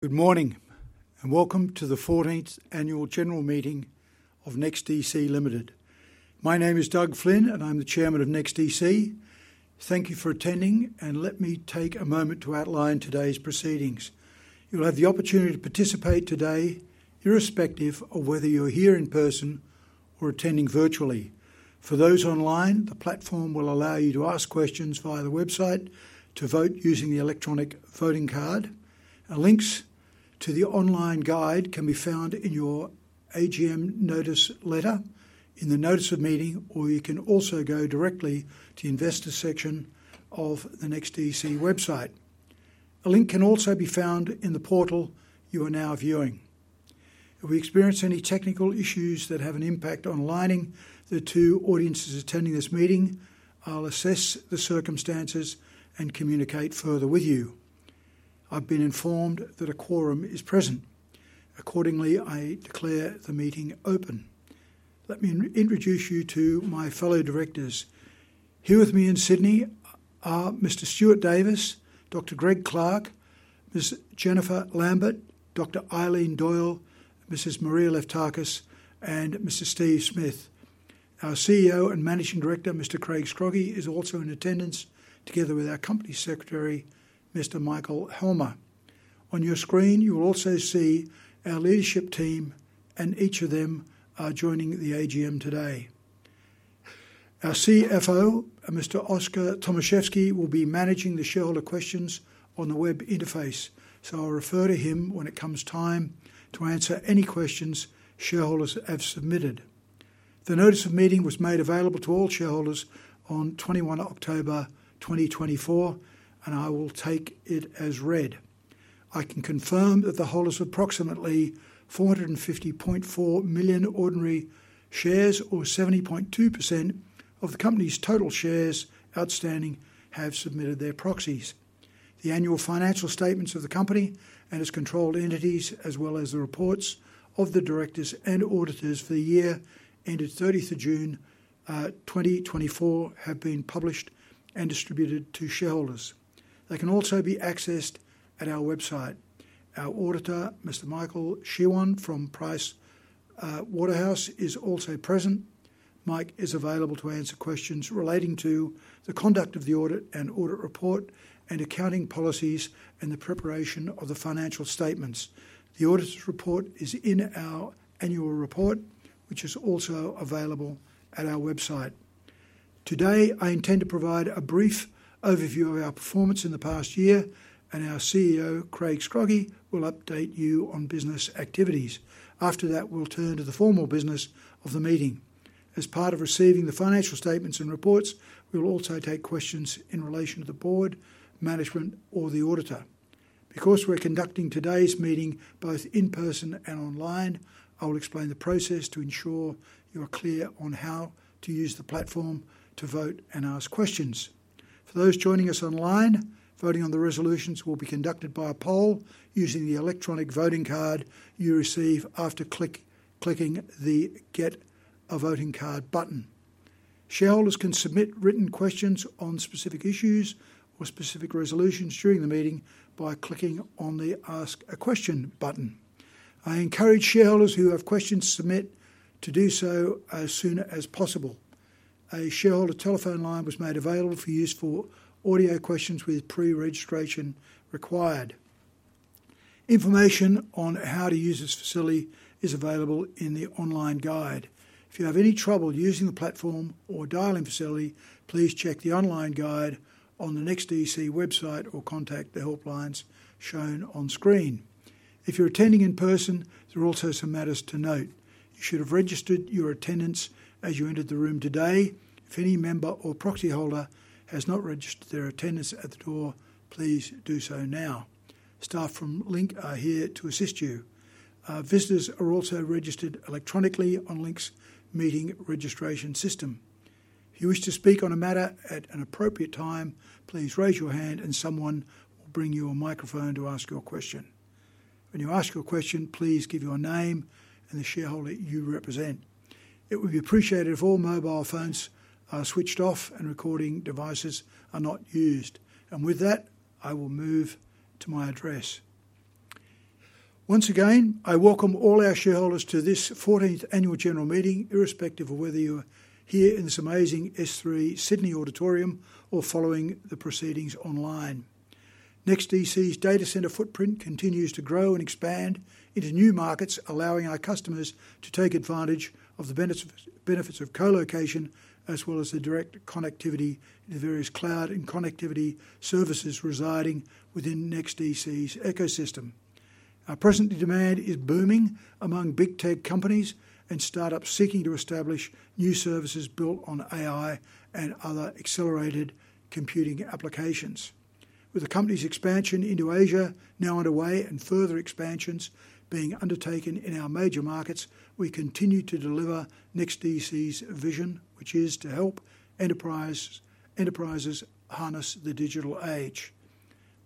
Good morning and welcome to the 14th Annual General Meeting of NEXTDC Limited. My name is Doug Flynn and I'm the Chairman of NEXTDC. Thank you for attending and let me take a moment to outline today's proceedings. You'll have the opportunity to participate today irrespective of whether you're here in person or attending virtually. For those online, the platform will allow you to ask questions via the website, to vote using the electronic voting card. Links to the online guide can be found in your AGM Notice Letter in the Notice of Meeting, or you can also go directly to the Investor Section of the NEXTDC website. A link can also be found in the portal you are now viewing. If we experience any technical issues that have an impact on aligning the two audiences attending this meeting, I'll assess the circumstances and communicate further with you. I've been informed that a quorum is present. Accordingly, I declare the meeting open. Let me introduce you to my fellow Directors. Here with me in Sydney are Mr. Stuart Davis, Dr. Greg Clark, Ms. Jennifer Lambert, Dr. Eileen Doyle, Mrs. Maria Leftakis, and Mr. Steve Smith. Our CEO and Managing Director, Mr. Craig Scroggie, is also in attendance together with our Company Secretary, Mr. Michael Helmer. On your screen, you will also see our leadership team, and each of them are joining the AGM today. Our CFO, Mr. Oskar Tomaszewski, will be managing the shareholder questions on the web interface, so I'll refer to him when it comes time to answer any questions shareholders have submitted. The Notice of Meeting was made available to all shareholders on 21 October 2024, and I will take it as read. I can confirm that the holders of approximately 450.4 million ordinary shares, or 70.2% of the company's total shares outstanding, have submitted their proxies. The annual financial statements of the company and its controlled entities, as well as the reports of the Directors and Auditors for the year ended 30 June 2024, have been published and distributed to Shareholders. They can also be accessed at our website. Our auditor, Mr. Michael Shewan from Pricewaterhouse, is also present. Mike is available to answer questions relating to the conduct of the audit and audit report and accounting policies and the preparation of the financial statements. The auditor's report is in our annual report, which is also available at our website. Today, I intend to provide a brief overview of our performance in the past year, and our CEO, Craig Scroggie, will update you on business activities. After that, we'll turn to the formal business of the meeting. As part of receiving the financial statements and reports, we will also take questions in relation to the Board, management, or the auditor. Because we're conducting today's meeting both in person and online, I'll explain the process to ensure you are clear on how to use the platform to vote and ask questions. For those joining us online, voting on the resolutions will be conducted by a poll using the electronic voting card you receive after clicking the Get a Voting Card button. Shareholders can submit written questions on specific issues or specific resolutions during the meeting by clicking on the Ask a Question button. I encourage shareholders who have questions to submit to do so as soon as possible. A shareholder telephone line was made available for use for audio questions with pre-registration required. Information on how to use this facility is available in the online guide. If you have any trouble using the platform or dialing facility, please check the online guide on the NEXTDC website or contact the helplines shown on screen. If you're attending in person, there are also some matters to note. You should have registered your attendance as you entered the room today. If any member or proxy holder has not registered their attendance at the door, please do so now. Staff from Link are here to assist you. Visitors are also registered electronically on Link's meeting registration system. If you wish to speak on a matter at an appropriate time, please raise your hand and someone will bring you a microphone to ask your question. When you ask your question, please give your name and the shareholder you represent. It would be appreciated if all mobile phones are switched off and recording devices are not used. And with that, I will move to my address. Once again, I welcome all our shareholders to this 14th Annual General Meeting, irrespective of whether you're here in this amazing S3 Sydney auditorium or following the proceedings online. NEXTDC's data center footprint continues to grow and expand into new markets, allowing our customers to take advantage of the benefits of colocation as well as the direct connectivity to various cloud and connectivity services residing within NEXTDC's ecosystem. Our present demand is booming among big tech companies and startups seeking to establish new services built on AI and other accelerated computing applications. With the company's expansion into Asia now underway and further expansions being undertaken in our major markets, we continue to deliver NEXTDC's vision, which is to help enterprises harness the digital age.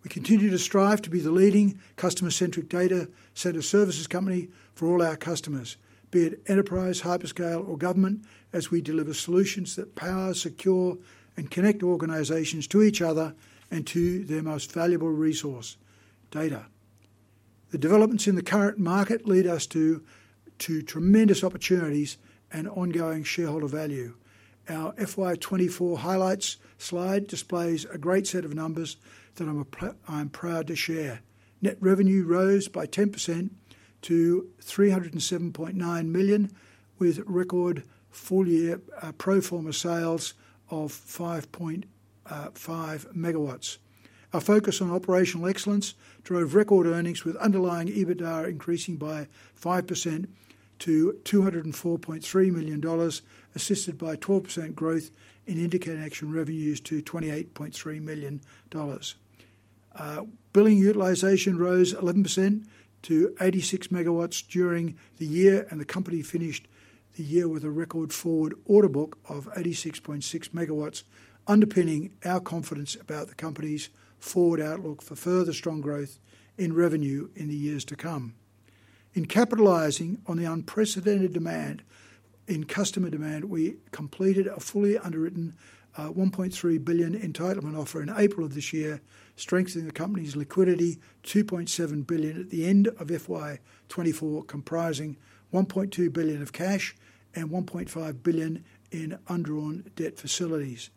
We continue to strive to be the leading customer-centric data center services company for all our customers, be it enterprise, hyperscale, or government, as we deliver solutions that power, secure, and connect organizations to each other and to their most valuable resource, data. The developments in the current market lead us to tremendous opportunities and ongoing shareholder value. Our FY 2024 highlights slide displays a great set of numbers that I'm proud to share. Net revenue rose by 10% to $307.9 million, with record full-year pro forma sales of 5.5 MW. Our focus on operational excellence drove record earnings, with underlying EBITDA increasing by 5% to $204.3 million, assisted by 12% growth in interconnection revenues to $28.3 million. Billing utilization rose 11% to 86 MW during the year, and the company finished the year with a record forward order book of 86.6 MW, underpinning our confidence about the company's forward outlook for further strong growth in revenue in the years to come. In capitalizing on the unprecedented demand in customer demand, we completed a fully underwritten $1.3 billion entitlement offer in April of this year, strengthening the company's liquidity, $2.7 billion at the end of FY 2024, comprising $1.2 billion of cash and $1.5 billion in underwritten debt facilities.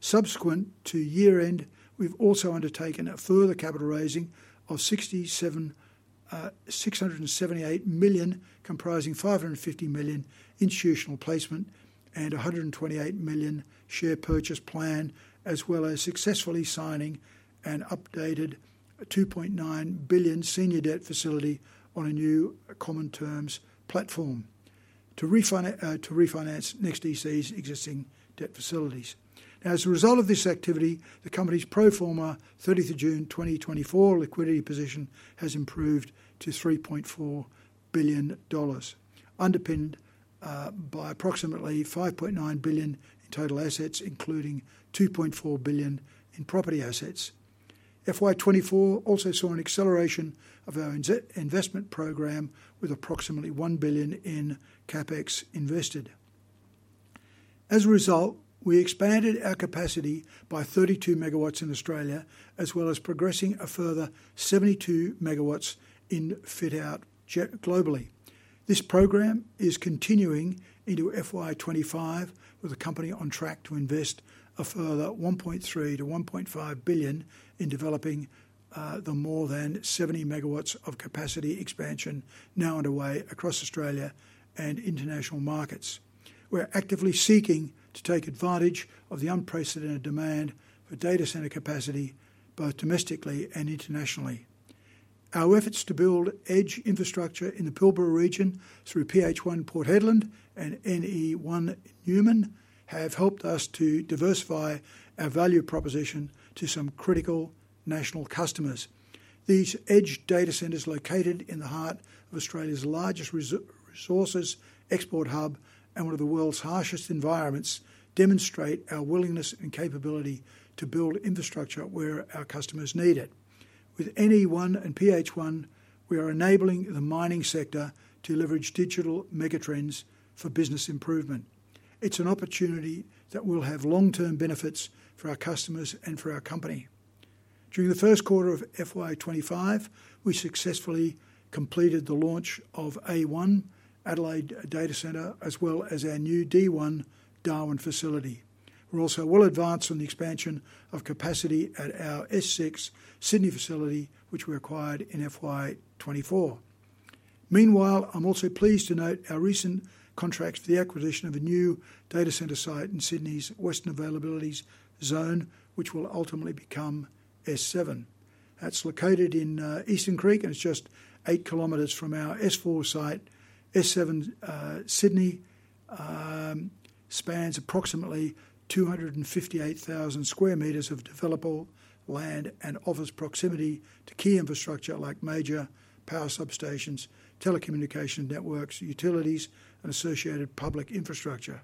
Subsequent to year end, we've also undertaken a further capital raising of $678 million, comprising $550 million institutional placement and $128 million share purchase plan, as well as successfully signing an updated $2.9 billion senior debt facility on a new common terms platform to refinance NEXTDC's existing debt facilities. Now, as a result of this activity, the company's pro forma 30th June 2024 liquidity position has improved to $3.4 billion, underpinned by approximately $5.9 billion in total assets, including $2.4 billion in property assets. FY 2024 also saw an acceleration of our investment program with approximately $1 billion in CapEx invested. As a result, we expanded our capacity by 32 MW in Australia, as well as progressing a further 72 MW in fit-out globally. This program is continuing into FY 2025, with the company on track to invest a further $1.3 billion-$1.5 billion in developing the more than 70 MW of capacity expansion now underway across Australia and international markets. We're actively seeking to take advantage of the unprecedented demand for data center capacity, both domestically and internationally. Our efforts to build edge infrastructure in the Pilbara region through PH1 Port Hedland and NE1 Newman have helped us to diversify our value proposition to some critical national customers. These edge data centers located in the heart of Australia's largest resources export hub and one of the world's harshest environments demonstrate our willingness and capability to build infrastructure where our customers need it. With NE1 and PH1, we are enabling the mining sector to leverage digital megatrends for business improvement. It's an opportunity that will have long-term benefits for our customers and for our company. During the first quarter of FY 2025, we successfully completed the launch of A1 Adelaide Data Centre, as well as our new D1 Darwin Facility. We're also well advanced on the expansion of capacity at our S6 Sydney Facility, which we acquired in FY 2024. Meanwhile, I'm also pleased to note our recent contracts for the acquisition of a new data center site in Sydney's Western Availability Zone, which will ultimately become S7. That's located in Eastern Creek, and it's just eight kilometers from our S4 site. S7 Sydney spans approximately 258,000 sq m of developable land and offers proximity to key infrastructure like major power substations, telecommunication networks, utilities, and associated public infrastructure.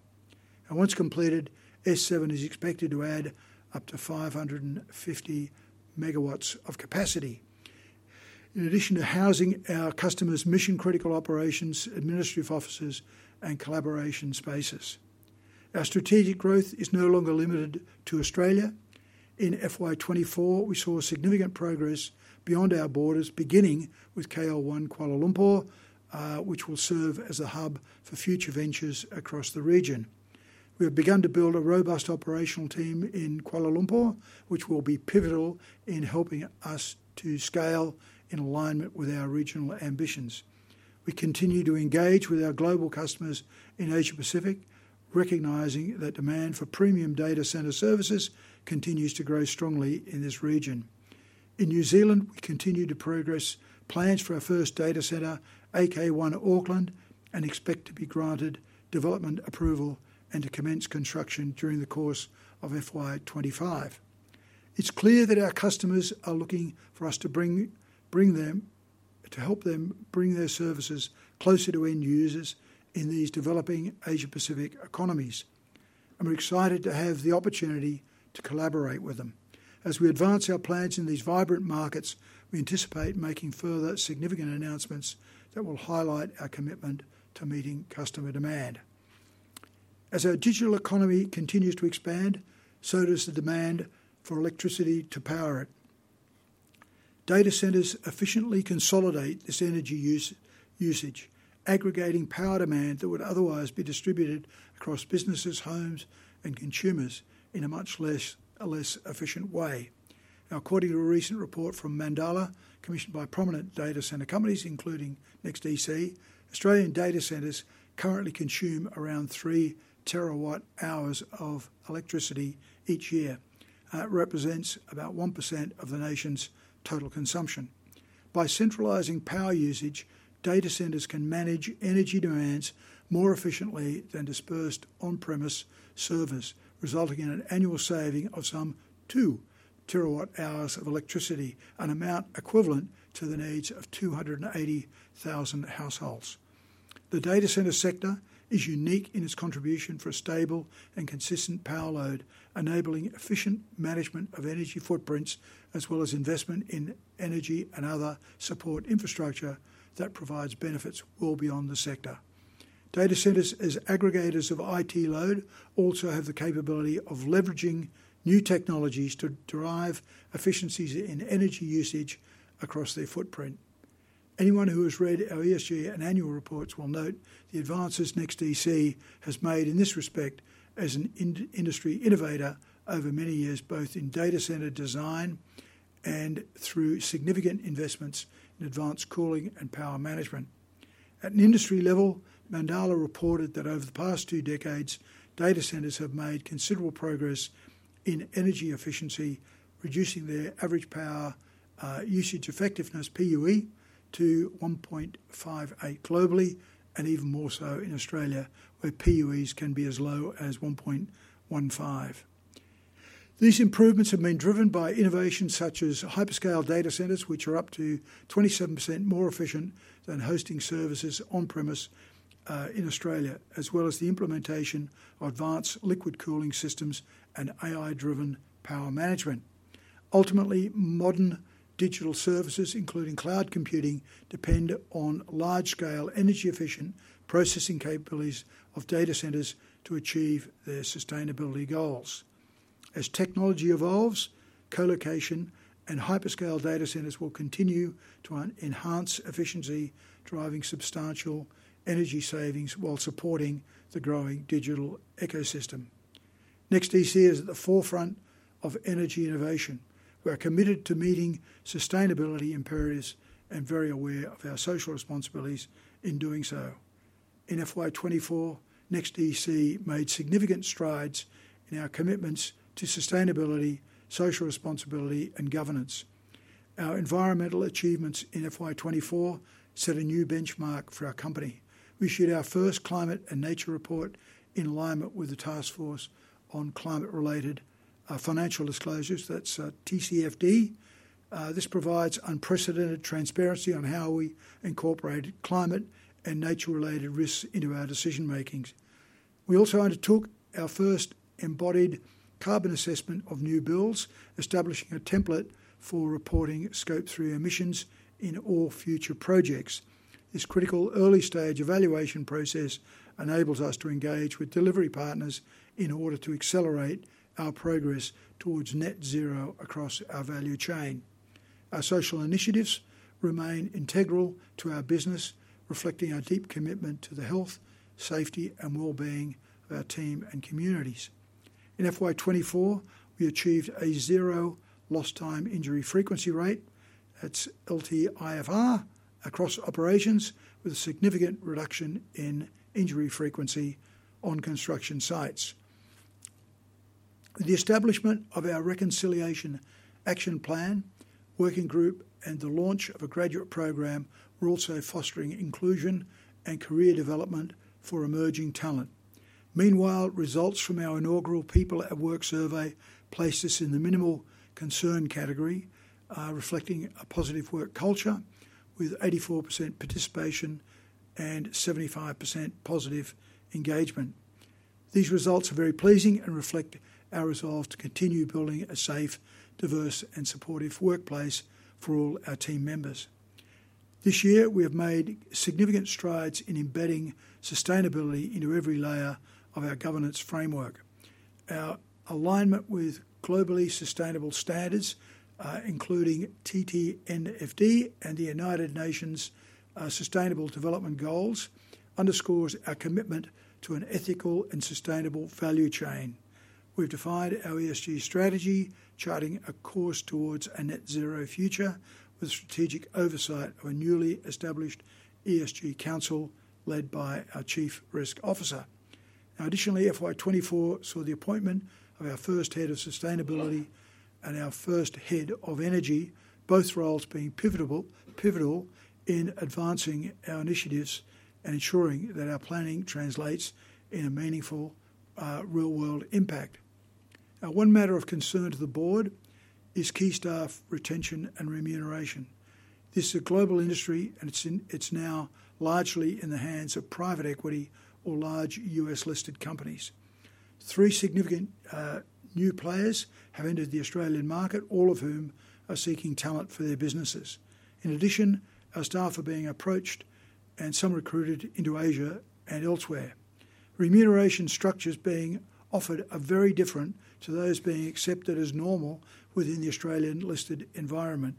And once completed, S7 is expected to add up to 550 MW of capacity, in addition to housing our customers' mission-critical operations, administrative offices, and collaboration spaces. Our strategic growth is no longer limited to Australia. In FY 2024, we saw significant progress beyond our borders, beginning with KL1 Kuala Lumpur, which will serve as a hub for future ventures across the region. We have begun to build a robust operational team in Kuala Lumpur, which will be pivotal in helping us to scale in alignment with our regional ambitions. We continue to engage with our global customers in Asia-Pacific, recognizing that demand for premium data center services continues to grow strongly in this region. In New Zealand, we continue to progress plans for our first data center, AK1 Auckland, and expect to be granted development approval and to commence construction during the course of FY 2025. It's clear that our customers are looking for us to bring them to help them bring their services closer to end users in these developing Asia-Pacific economies, and we're excited to have the opportunity to collaborate with them. As we advance our plans in these vibrant markets, we anticipate making further significant announcements that will highlight our commitment to meeting customer demand. As our digital economy continues to expand, so does the demand for electricity to power it. Data centers efficiently consolidate this energy usage, aggregating power demand that would otherwise be distributed across businesses, homes, and consumers in a much less efficient way. Now, according to a recent report from Mandala, commissioned by prominent data center companies, including NEXTDC, Australian data centers currently consume around 3 TWh of electricity each year. It represents about 1% of the nation's total consumption. By centralizing power usage, data centers can manage energy demands more efficiently than dispersed on-premise servers, resulting in an annual saving of some 2 TWh of electricity, an amount equivalent to the needs of 280,000 households. The data center sector is unique in its contribution for a stable and consistent power load, enabling efficient management of energy footprints, as well as investment in energy and other support infrastructure that provides benefits well beyond the sector. Data centers as aggregators of IT load also have the capability of leveraging new technologies to derive efficiencies in energy usage across their footprint. Anyone who has read our ESG and annual reports will note the advances NEXTDC has made in this respect as an industry innovator over many years, both in data center design and through significant investments in advanced cooling and power management. At an industry level, Mandala reported that over the past two decades, data centers have made considerable progress in energy efficiency, reducing their average power usage effectiveness, PUE, to 1.58 globally and even more so in Australia, where PUEs can be as low as 1.15. These improvements have been driven by innovations such as hyperscale data centers, which are up to 27% more efficient than hosting services on-premise in Australia, as well as the implementation of advanced liquid cooling systems and AI-driven power management. Ultimately, modern digital services, including cloud computing, depend on large-scale energy-efficient processing capabilities of data centers to achieve their sustainability goals. As technology evolves, colocation and hyperscale data centers will continue to enhance efficiency, driving substantial energy savings while supporting the growing digital ecosystem. NEXTDC is at the forefront of energy innovation. We are committed to meeting sustainability imperatives and very aware of our social responsibilities in doing so. In FY 2024, NEXTDC made significant strides in our commitments to sustainability, social responsibility, and governance. Our environmental achievements in FY 2024 set a new benchmark for our company. We shared our first climate and nature report in alignment with the Task Force on Climate-related Financial Disclosures. That's TCFD. This provides unprecedented transparency on how we incorporate climate and nature-related risks into our decision-making. We also undertook our first embodied carbon assessment of new builds, establishing a template for reporting Scope 3 emissions in all future projects. This critical early-stage evaluation process enables us to engage with delivery partners in order to accelerate our progress towards net zero across our value chain. Our social initiatives remain integral to our business, reflecting our deep commitment to the health, safety, and well-being of our team and communities. In FY 2024, we achieved a zero Lost Time Injury Frequency Rate. That's LTIFR across operations, with a significant reduction in injury frequency on construction sites. The establishment of our Reconciliation Action Plan, working group, and the launch of a graduate program were also fostering inclusion and career development for emerging talent. Meanwhile, results from our inaugural People at Work survey placed us in the minimal concern category, reflecting a positive work culture with 84% participation and 75% positive engagement. These results are very pleasing and reflect our resolve to continue building a safe, diverse, and supportive workplace for all our team members. This year, we have made significant strides in embedding sustainability into every layer of our governance framework. Our alignment with globally sustainable standards, including TTNFD and the United Nations Sustainable Development Goals, underscores our commitment to an ethical and sustainable value chain. We've defined our ESG strategy, charting a course towards a net zero future with strategic oversight of a newly established ESG council led by our Chief Risk Officer. Now, additionally, FY 2024 saw the appointment of our first Head of Sustainability and our first Head of Energy, both roles being pivotal in advancing our initiatives and ensuring that our planning translates in a meaningful real-world impact. Now, one matter of concern to the board is key staff retention and remuneration. This is a global industry, and it's now largely in the hands of private equity or large U.S. listed companies. Three significant new players have entered the Australian market, all of whom are seeking talent for their businesses. In addition, our staff are being approached and some recruited into Asia and elsewhere. Remuneration structures being offered are very different to those being accepted as normal within the Australian-listed environment.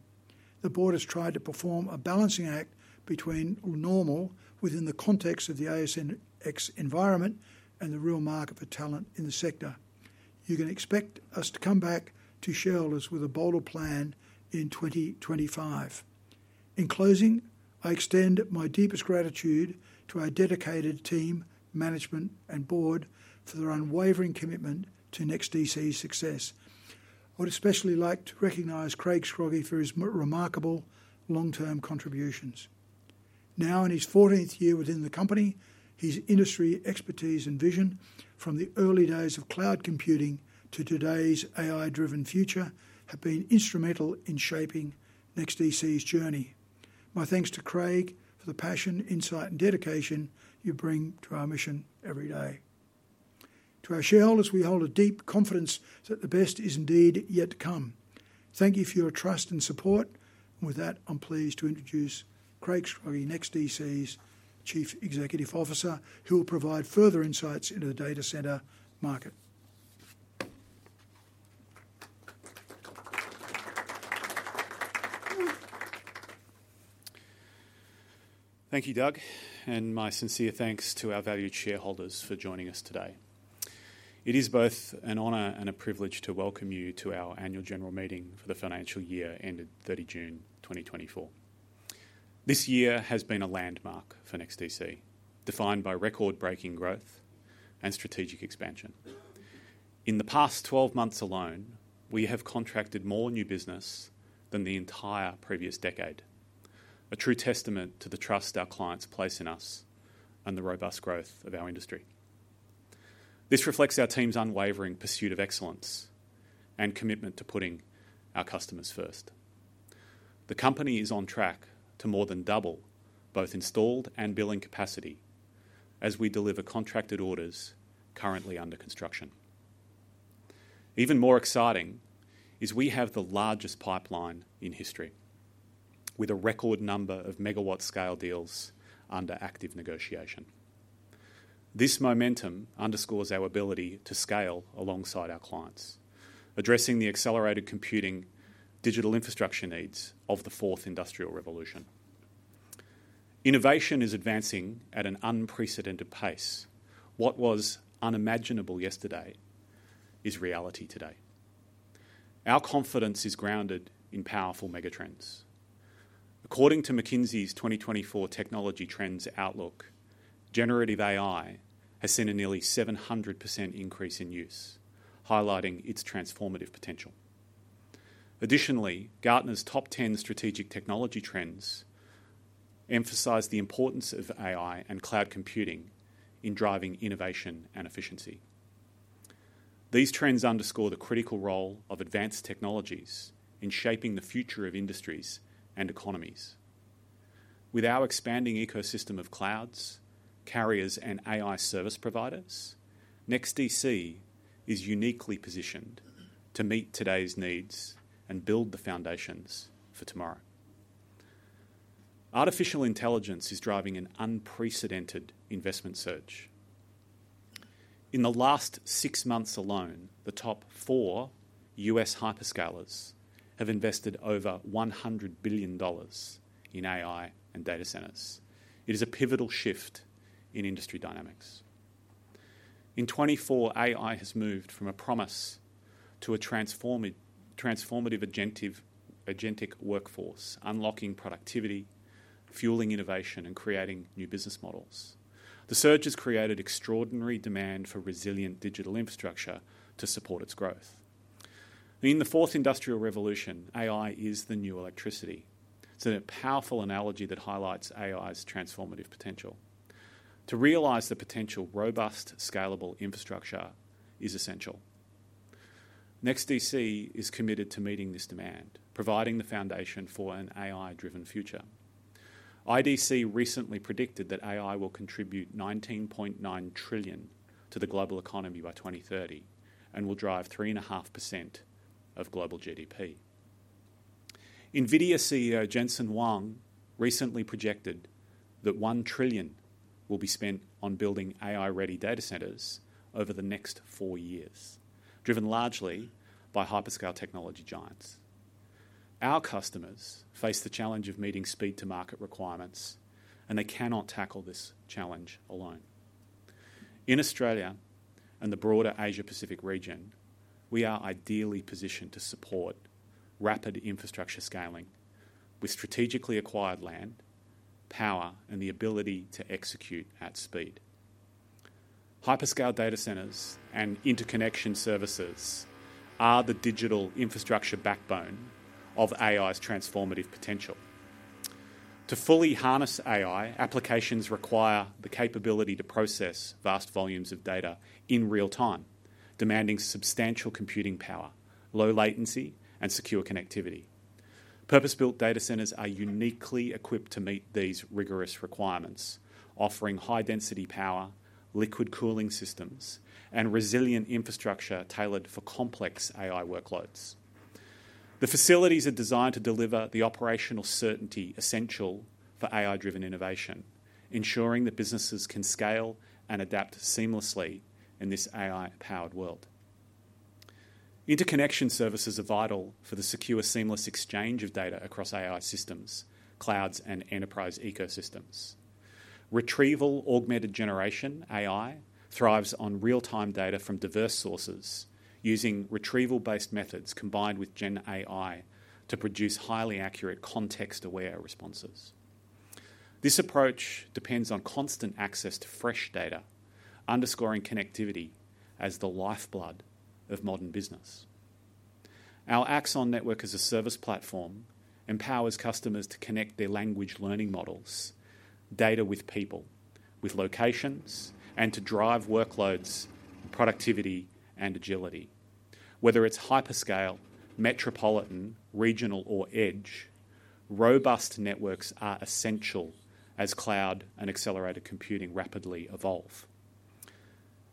The board has tried to perform a balancing act between normal within the context of the ASX environment and the real market for talent in the sector. You can expect us to come back to shareholders with a bolder plan in 2025. In closing, I extend my deepest gratitude to our dedicated team, management, and board for their unwavering commitment to NEXTDC's success. I would especially like to recognize Craig Scroggie for his remarkable long-term contributions. Now, in his 14th year within the company, his industry expertise and vision from the early days of cloud computing to today's AI-driven future have been instrumental in shaping NEXTDC's journey. My thanks to Craig for the passion, insight, and dedication you bring to our mission every day. To our shareholders, we hold a deep confidence that the best is indeed yet to come. Thank you for your trust and support. With that, I'm pleased to introduce Craig Scroggie, NEXTDC's Chief Executive Officer, who will provide further insights into the data center market. Thank you, Doug, and my sincere thanks to our valued shareholders for joining us today. It is both an honor and a privilege to welcome you to our Annual General Meeting for the financial year ended 30 June 2024. This year has been a landmark for NEXTDC, defined by record-breaking growth and strategic expansion. In the past 12 months alone, we have contracted more new business than the entire previous decade, a true testament to the trust our clients place in us and the robust growth of our industry. This reflects our team's unwavering pursuit of excellence and commitment to putting our customers first. The company is on track to more than double both installed and billing capacity as we deliver contracted orders currently under construction. Even more exciting is we have the largest pipeline in history with a record number of megawatt-scale deals under active negotiation. This momentum underscores our ability to scale alongside our clients, addressing the accelerated computing digital infrastructure needs of the fourth industrial revolution. Innovation is advancing at an unprecedented pace. What was unimaginable yesterday is reality today. Our confidence is grounded in powerful megatrends. According to McKinsey's 2024 technology trends outlook, generative AI has seen a nearly 700% increase in use, highlighting its transformative potential. Additionally, Gartner's Top 10 strategic technology trends emphasize the importance of AI and cloud computing in driving innovation and efficiency. These trends underscore the critical role of advanced technologies in shaping the future of industries and economies. With our expanding ecosystem of clouds, carriers, and AI service providers, NEXTDC is uniquely positioned to meet today's needs and build the foundations for tomorrow. Artificial Intelligence is driving an unprecedented investment surge. In the last six months alone, the top four U.S. hyperscalers have invested over $100 billion in AI and data centers. It is a pivotal shift in industry dynamics. In 2024, AI has moved from a promise to a transformative agentic workforce, unlocking productivity, fueling innovation, and creating new business models. The surge has created extraordinary demand for resilient digital infrastructure to support its growth. In the fourth industrial revolution, AI is the new electricity. It's a powerful analogy that highlights AI's transformative potential. To realize the potential, robust, scalable infrastructure is essential. NEXTDC is committed to meeting this demand, providing the foundation for an AI-driven future. IDC recently predicted that AI will contribute $19.9 trillion to the global economy by 2030 and will drive 3.5% of global GDP. NVIDIA CEO Jensen Huang recently projected that $1 trillion will be spent on building AI-ready data centers over the next four years, driven largely by hyperscale technology giants. Our customers face the challenge of meeting speed-to-market requirements, and they cannot tackle this challenge alone. In Australia and the broader Asia-Pacific region, we are ideally positioned to support rapid infrastructure scaling with strategically acquired land, power, and the ability to execute at speed. Hyperscale data centers and interconnection services are the digital infrastructure backbone of AI's transformative potential. To fully harness AI, applications require the capability to process vast volumes of data in real time, demanding substantial computing power, low latency, and secure connectivity. Purpose-built data centers are uniquely equipped to meet these rigorous requirements, offering high-density power, liquid cooling systems, and resilient infrastructure tailored for complex AI workloads. The facilities are designed to deliver the operational certainty essential for AI-driven innovation, ensuring that businesses can scale and adapt seamlessly in this AI-powered world. Interconnection services are vital for the secure, seamless exchange of data across AI systems, clouds, and enterprise ecosystems. Retrieval Augmented Generation AI thrives on real-time data from diverse sources, using retrieval-based methods combined with GenAI to produce highly accurate, context-aware responses. This approach depends on constant access to fresh data, underscoring connectivity as the lifeblood of modern business. Our Axon Network as a service platform empowers customers to connect their Large Language Models, data with people, with locations, and to drive workloads, productivity, and agility. Whether it's hyperscale, metropolitan, regional, or edge, robust networks are essential as cloud and accelerated computing rapidly evolve.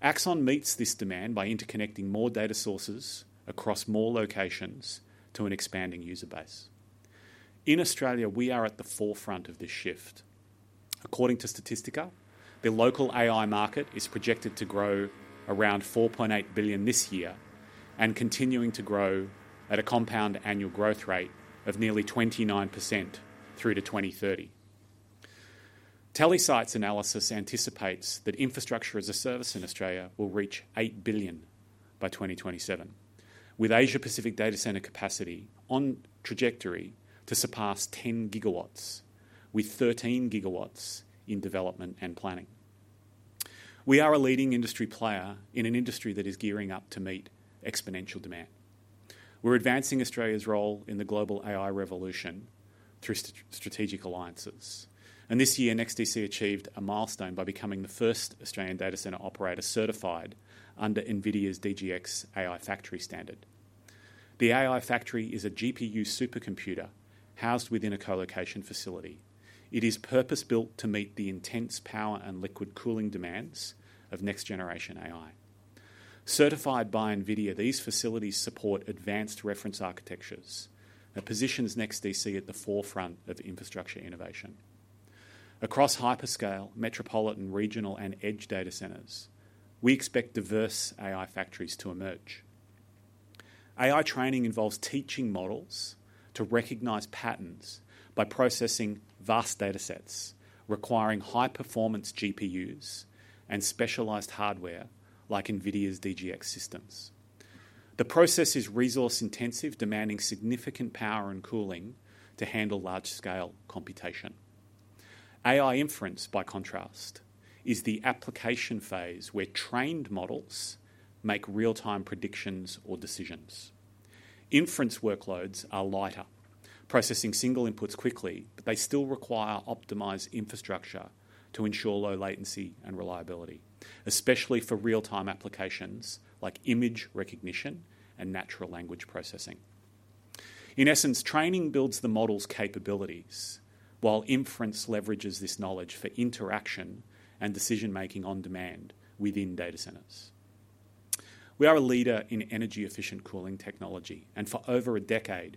Axon meets this demand by interconnecting more data sources across more locations to an expanding user base. In Australia, we are at the forefront of this shift. According to Statista, the local AI market is projected to grow around $4.8 billion this year and continuing to grow at a compound annual growth rate of nearly 29% through to 2030. Telsyte analysis anticipates that Infrastructure as a Service in Australia will reach $8 billion by 2027, with Asia-Pacific data center capacity on trajectory to surpass 10 GW, with 13 GW in development and planning. We are a leading industry player in an industry that is gearing up to meet exponential demand. We're advancing Australia's role in the global AI revolution through strategic alliances. And this year, NEXTDC achieved a milestone by becoming the first Australian data center operator certified under NVIDIA's DGX AI Factory standard. The AI Factory is a GPU supercomputer housed within a colocation facility. It is purpose-built to meet the intense power and liquid cooling demands of next-generation AI. Certified by NVIDIA, these facilities support advanced reference architectures that positions NEXTDC at the forefront of infrastructure innovation. Across hyperscale, metropolitan, regional, and edge data centers, we expect diverse AI factories to emerge. AI training involves teaching models to recognize patterns by processing vast data sets requiring high-performance GPUs and specialized hardware like NVIDIA's DGX systems. The process is resource-intensive, demanding significant power and cooling to handle large-scale computation. AI inference, by contrast, is the application phase where trained models make real-time predictions or decisions. Inference workloads are lighter, processing single inputs quickly, but they still require optimized infrastructure to ensure low latency and reliability, especially for real-time applications like image recognition and natural language processing. In essence, training builds the model's capabilities, while inference leverages this knowledge for interaction and decision-making on demand within data centers. We are a leader in energy-efficient cooling technology, and for over a decade,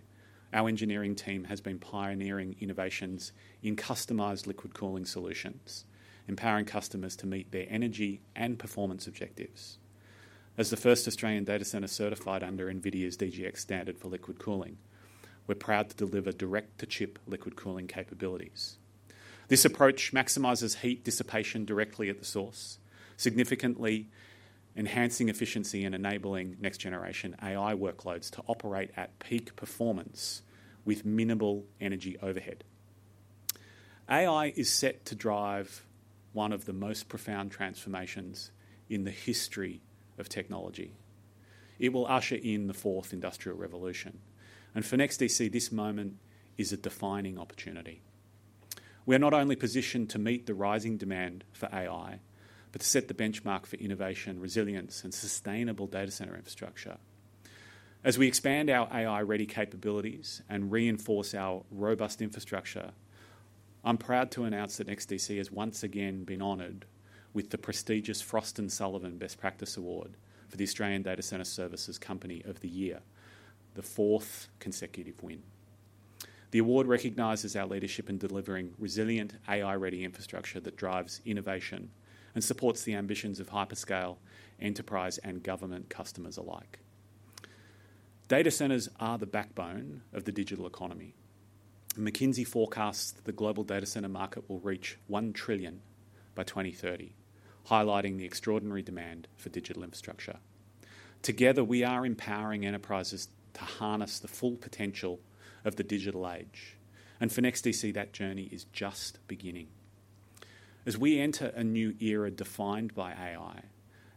our engineering team has been pioneering innovations in customized liquid cooling solutions, empowering customers to meet their energy and performance objectives. As the first Australian data center certified under NVIDIA's DGX standard for liquid cooling, we're proud to deliver direct-to-chip liquid cooling capabilities. This approach maximizes heat dissipation directly at the source, significantly enhancing efficiency and enabling next-generation AI workloads to operate at peak performance with minimal energy overhead. AI is set to drive one of the most profound transformations in the history of technology. It will usher in the fourth industrial revolution, and for NEXTDC, this moment is a defining opportunity. We are not only positioned to meet the rising demand for AI, but to set the benchmark for innovation, resilience, and sustainable data center infrastructure. As we expand our AI-ready capabilities and reinforce our robust infrastructure, I'm proud to announce that NEXTDC has once again been honored with the prestigious Frost & Sullivan Best Practice Award for the Australian Data Center Services Company of the Year, the fourth consecutive win. The award recognizes our leadership in delivering resilient AI-ready infrastructure that drives innovation and supports the ambitions of hyperscale, enterprise, and government customers alike. Data centers are the backbone of the digital economy. McKinsey forecasts the global data center market will reach $1 trillion by 2030, highlighting the extraordinary demand for digital infrastructure. Together, we are empowering enterprises to harness the full potential of the digital age, and for NEXTDC, that journey is just beginning. As we enter a new era defined by AI,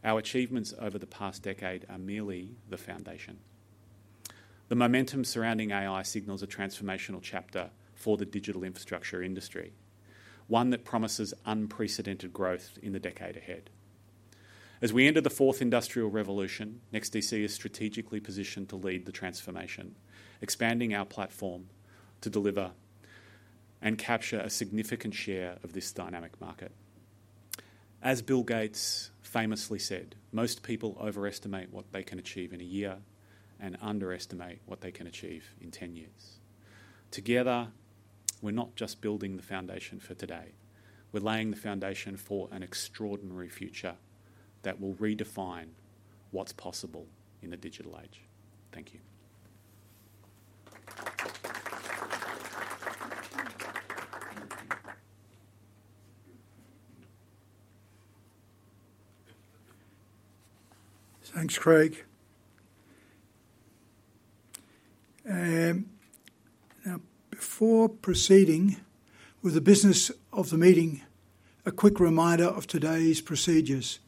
our achievements over the past decade are merely the foundation. The momentum surrounding AI signals a transformational chapter for the digital infrastructure industry, one that promises unprecedented growth in the decade ahead. As we enter the fourth industrial revolution, NEXTDC is strategically positioned to lead the transformation, expanding our platform to deliver and capture a significant share of this dynamic market. As Bill Gates famously said, "Most people overestimate what they can achieve in a year and underestimate what they can achieve in 10 years." Together, we're not just building the foundation for today. We're laying the foundation for an extraordinary future that will redefine what's possible in the digital age. Thank you. Thanks, Craig. Now, before proceeding with the business of the meeting, a quick reminder of today's procedures.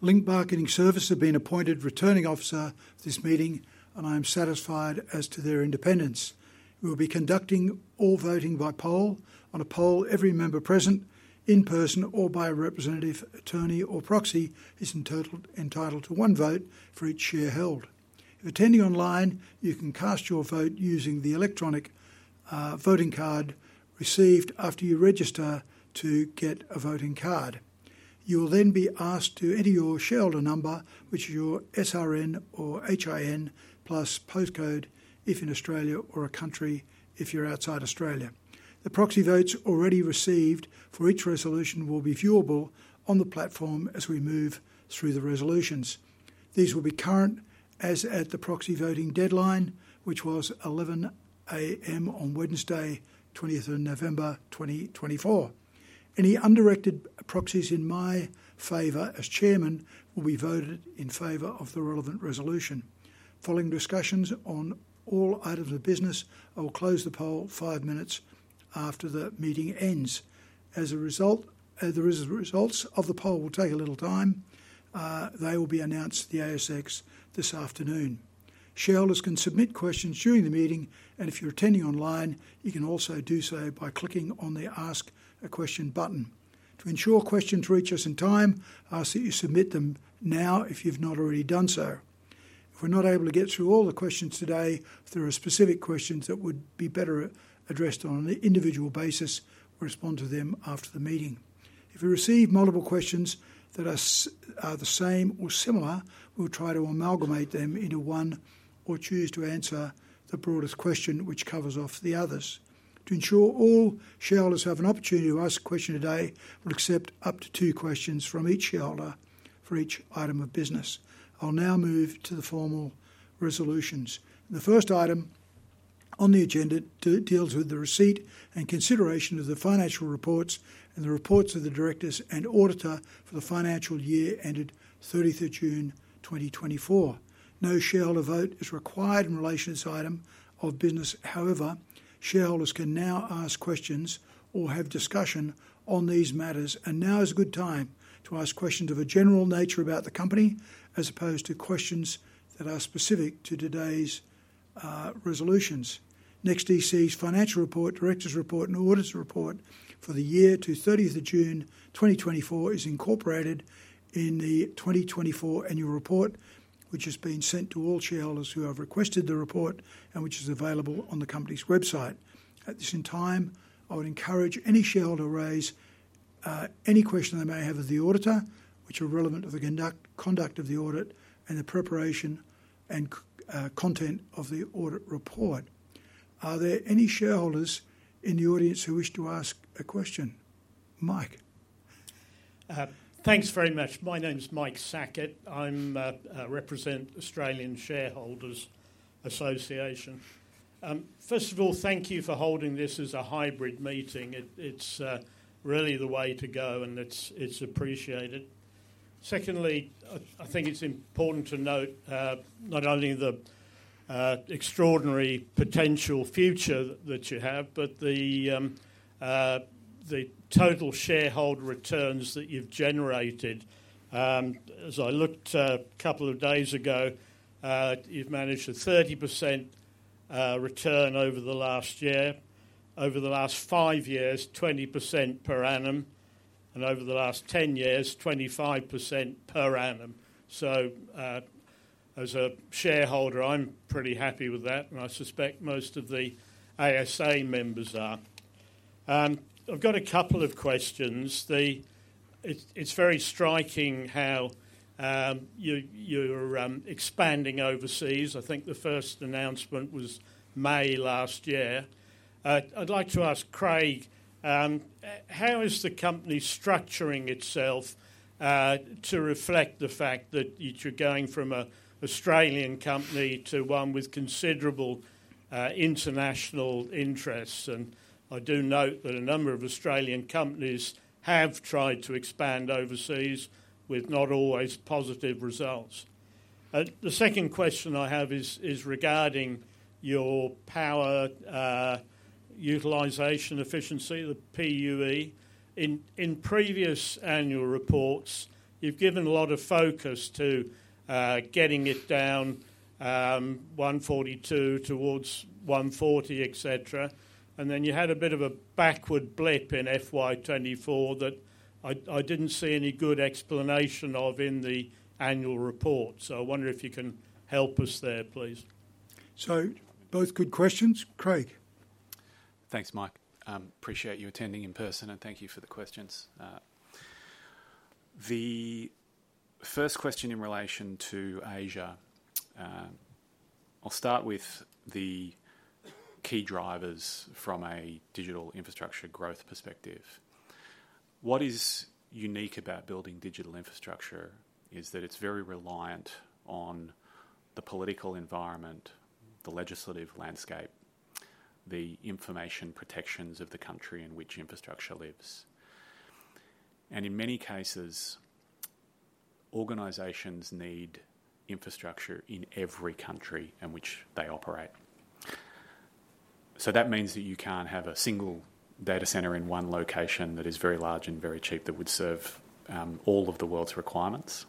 Link [Group] have been appointed returning officer of this meeting, and I am satisfied as to their independence. We will be conducting all voting by poll. On a poll, every member present in person or by a representative, attorney, or proxy is entitled to one vote for each share held. If attending online, you can cast your vote using the electronic voting card received after you register to get a voting card. You will then be asked to enter your shareholder number, which is your SRN or HIN, plus postcode if in Australia or a country if you're outside Australia. The proxy votes already received for each resolution will be viewable on the platform as we move through the resolutions. These will be current as at the proxy voting deadline, which was 11:00 A.M. on Wednesday, 20th of November, 2024. Any undirected proxies in my favor as Chairman will be voted in favor of the relevant resolution. Following discussions on all items of business, I will close the poll five minutes after the meeting ends. As a result, the results of the poll will take a little time. They will be announced to the ASX this afternoon. Shareholders can submit questions during the meeting, and if you're attending online, you can also do so by clicking on the Ask a Question button. To ensure questions reach us in time, I ask that you submit them now if you've not already done so. If we're not able to get through all the questions today, if there are specific questions that would be better addressed on an individual basis, we'll respond to them after the meeting. If we receive multiple questions that are the same or similar, we'll try to amalgamate them into one or choose to answer the broadest question, which covers off the others. To ensure all shareholders have an opportunity to ask a question today, we'll accept up to two questions from each shareholder for each item of business. I'll now move to the formal resolutions. The first item on the agenda deals with the receipt and consideration of the financial reports and the reports of the directors and auditor for the financial year ended 30th of June 2024. No shareholder vote is required in relation to this item of business. However, shareholders can now ask questions or have discussion on these matters. And now is a good time to ask questions of a general nature about the company as opposed to questions that are specific to today's resolutions. NEXTDC's Financial report, Directors' report, and Auditor's report for the year to 30th of June 2024 is incorporated in the 2024 annual report, which has been sent to all shareholders who have requested the report and which is available on the company's website. At this time, I would encourage any shareholder to raise any question they may have of the auditor, which are relevant to the conduct of the audit and the preparation and content of the audit report. Are there any shareholders in the audience who wish to ask a question? Mike. Thanks very much. My name's Mike Sackett. I represent Australian Shareholders' Association. First of all, thank you for holding this as a hybrid meeting. It's really the way to go, and it's appreciated. Secondly, I think it's important to note not only the extraordinary potential future that you have, but the total shareholder returns that you've generated. As I looked a couple of days ago, you've managed a 30% return over the last year, over the last five years, 20% per annum, and over the last 10 years, 25% per annum. So as a shareholder, I'm pretty happy with that, and I suspect most of the ASA members are. I've got a couple of questions. It's very striking how you're expanding overseas. I think the first announcement was May last year. I'd like to ask Craig how is the company structuring itself to reflect the fact that you're going from an Australian company to one with considerable international interests, and I do note that a number of Australian companies have tried to expand overseas with not always positive results. The second question I have is regarding your power utilization efficiency, the PUE. In previous annual reports, you've given a lot of focus to getting it down 142 towards 140, et cetera, and then you had a bit of a backward blip in FY 2024 that I didn't see any good explanation of in the annual report. So I wonder if you can help us there, please. So both good questions. Craig. Thanks, Mike. Appreciate you attending in person, and thank you for the questions. The first question in relation to Asia. I'll start with the key drivers from a digital infrastructure growth perspective. What is unique about building digital infrastructure is that it's very reliant on the political environment, the legislative landscape, the information protections of the country in which infrastructure lives. And in many cases, organizations need infrastructure in every country in which they operate. So that means that you can't have a single data center in one location that is very large and very cheap that would serve all of the world's requirements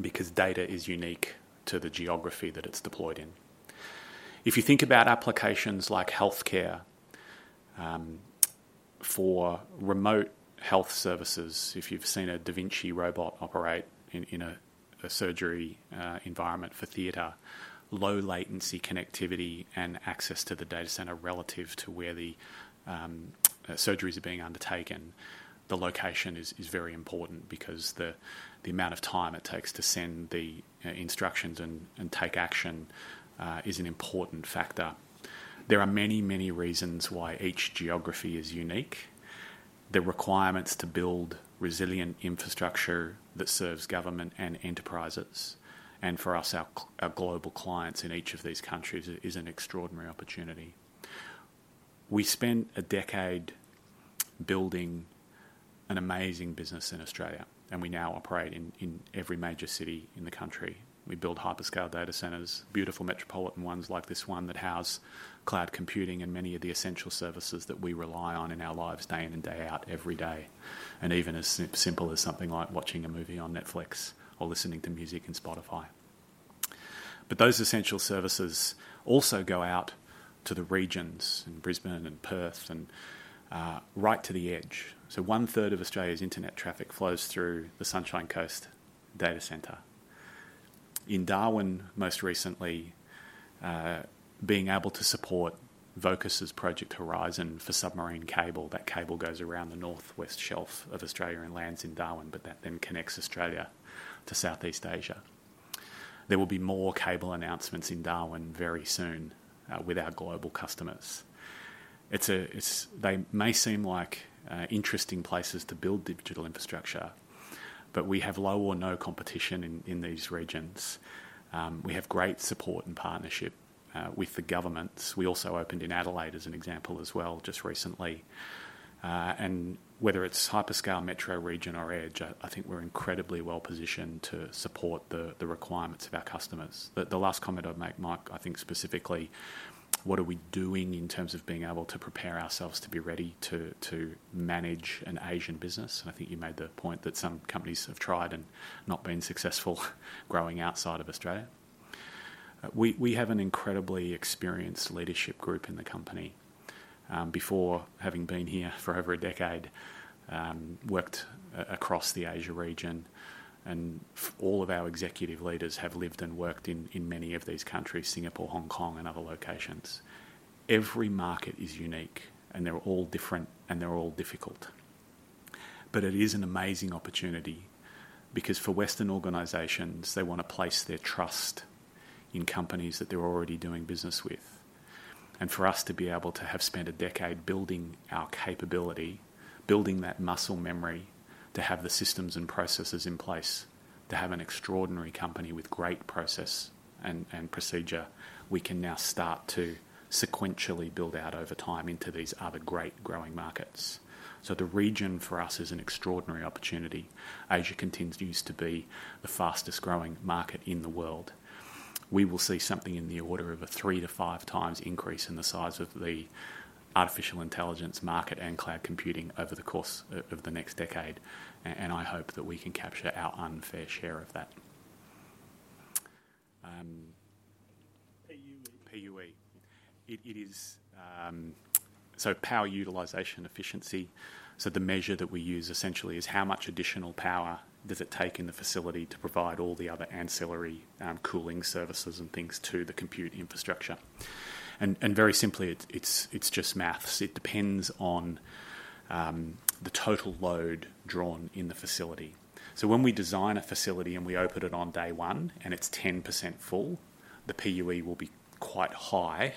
because data is unique to the geography that it's deployed in. If you think about applications like healthcare for remote health services, if you've seen a Da Vinci robot operate in a surgery environment for theater, low-latency connectivity and access to the data center relative to where the surgeries are being undertaken, the location is very important because the amount of time it takes to send the instructions and take action is an important factor. There are many, many reasons why each geography is unique. The requirements to build resilient infrastructure that serves government and enterprises, and for us, our global clients in each of these countries, is an extraordinary opportunity. We spent a decade building an amazing business in Australia, and we now operate in every major city in the country. We build hyperscale data centers, beautiful metropolitan ones like this one that house cloud computing and many of the essential services that we rely on in our lives day in and day out every day, and even as simple as something like watching a movie on Netflix or listening to music in Spotify. But those essential services also go out to the regions in Brisbane and Perth and right to the edge. So one-third of Australia's internet traffic flows through the Sunshine Coast data center. In Darwin, most recently, being able to support Vocus's Project Horizon for submarine cable, that cable goes around the North West Shelf of Australia and lands in Darwin, but that then connects Australia to Southeast Asia. There will be more cable announcements in Darwin very soon with our global customers. They may seem like interesting places to build digital infrastructure, but we have low or no competition in these regions. We have great support and partnership with the governments. We also opened in Adelaide as an example as well just recently, and whether it's hyperscale, metro, region, or edge, I think we're incredibly well positioned to support the requirements of our customers. The last comment I'd make, Mike, I think specifically, what are we doing in terms of being able to prepare ourselves to be ready to manage an Asian business, and I think you made the point that some companies have tried and not been successful growing outside of Australia. We have an incredibly experienced leadership group in the company. Before having been here for over a decade, worked across the Asia region, and all of our executive leaders have lived and worked in many of these countries, Singapore, Hong Kong, and other locations. Every market is unique, and they're all different, and they're all difficult. But it is an amazing opportunity because for Western organizations, they want to place their trust in companies that they're already doing business with. And for us to be able to have spent a decade building our capability, building that muscle memory to have the systems and processes in place to have an extraordinary company with great process and procedure, we can now start to sequentially build out over time into these other great growing markets. So the region for us is an extraordinary opportunity. Asia continues to be the fastest growing market in the world. We will see something in the order of a three to five times increase in the size of the artificial intelligence market and cloud computing over the course of the next decade, and I hope that we can capture our unfair share of that. PUE. PUE. So, Power Utilization Efficiency. The measure that we use essentially is how much additional power it takes in the facility to provide all the other ancillary cooling services and things to the compute infrastructure. Very simply, it's just math. It depends on the total load drawn in the facility. When we design a facility and we open it on day one and it's 10% full, the PUE will be quite high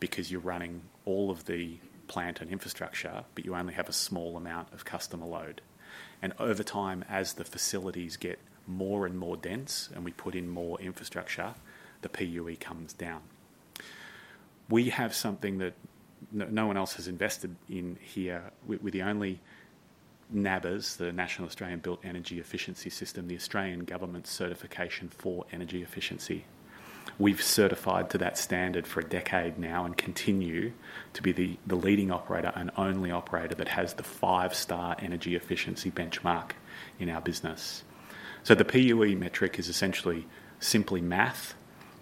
because you're running all of the plant and infrastructure, but you only have a small amount of customer load. Over time, as the facilities get more and more dense and we put in more infrastructure, the PUE comes down. We have something that no one else has invested in here. We're the only one with NABERS, the National Australian Built Energy Efficiency System, the Australian Government Certification for energy efficiency. We've certified to that standard for a decade now and continue to be the leading operator and only operator that has the five-star energy efficiency benchmark in our business. So the PUE metric is essentially simply math.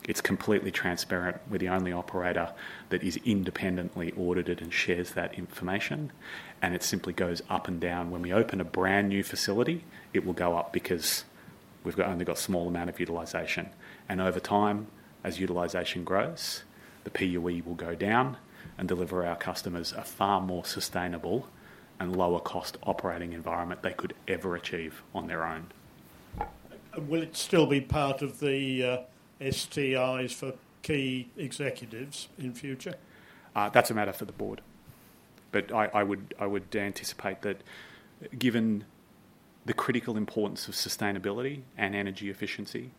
It's completely transparent. We're the only operator that is independently audited and shares that information, and it simply goes up and down. When we open a brand new facility, it will go up because we've only got a small amount of utilization, and over time, as utilization grows, the PUE will go down and deliver our customers a far more sustainable and lower-cost operating environment they could ever achieve on their own. Will it still be part of the STIs for key executives in future? That's a matter for the Board. But I would anticipate that given the critical importance of sustainability and energy efficiency,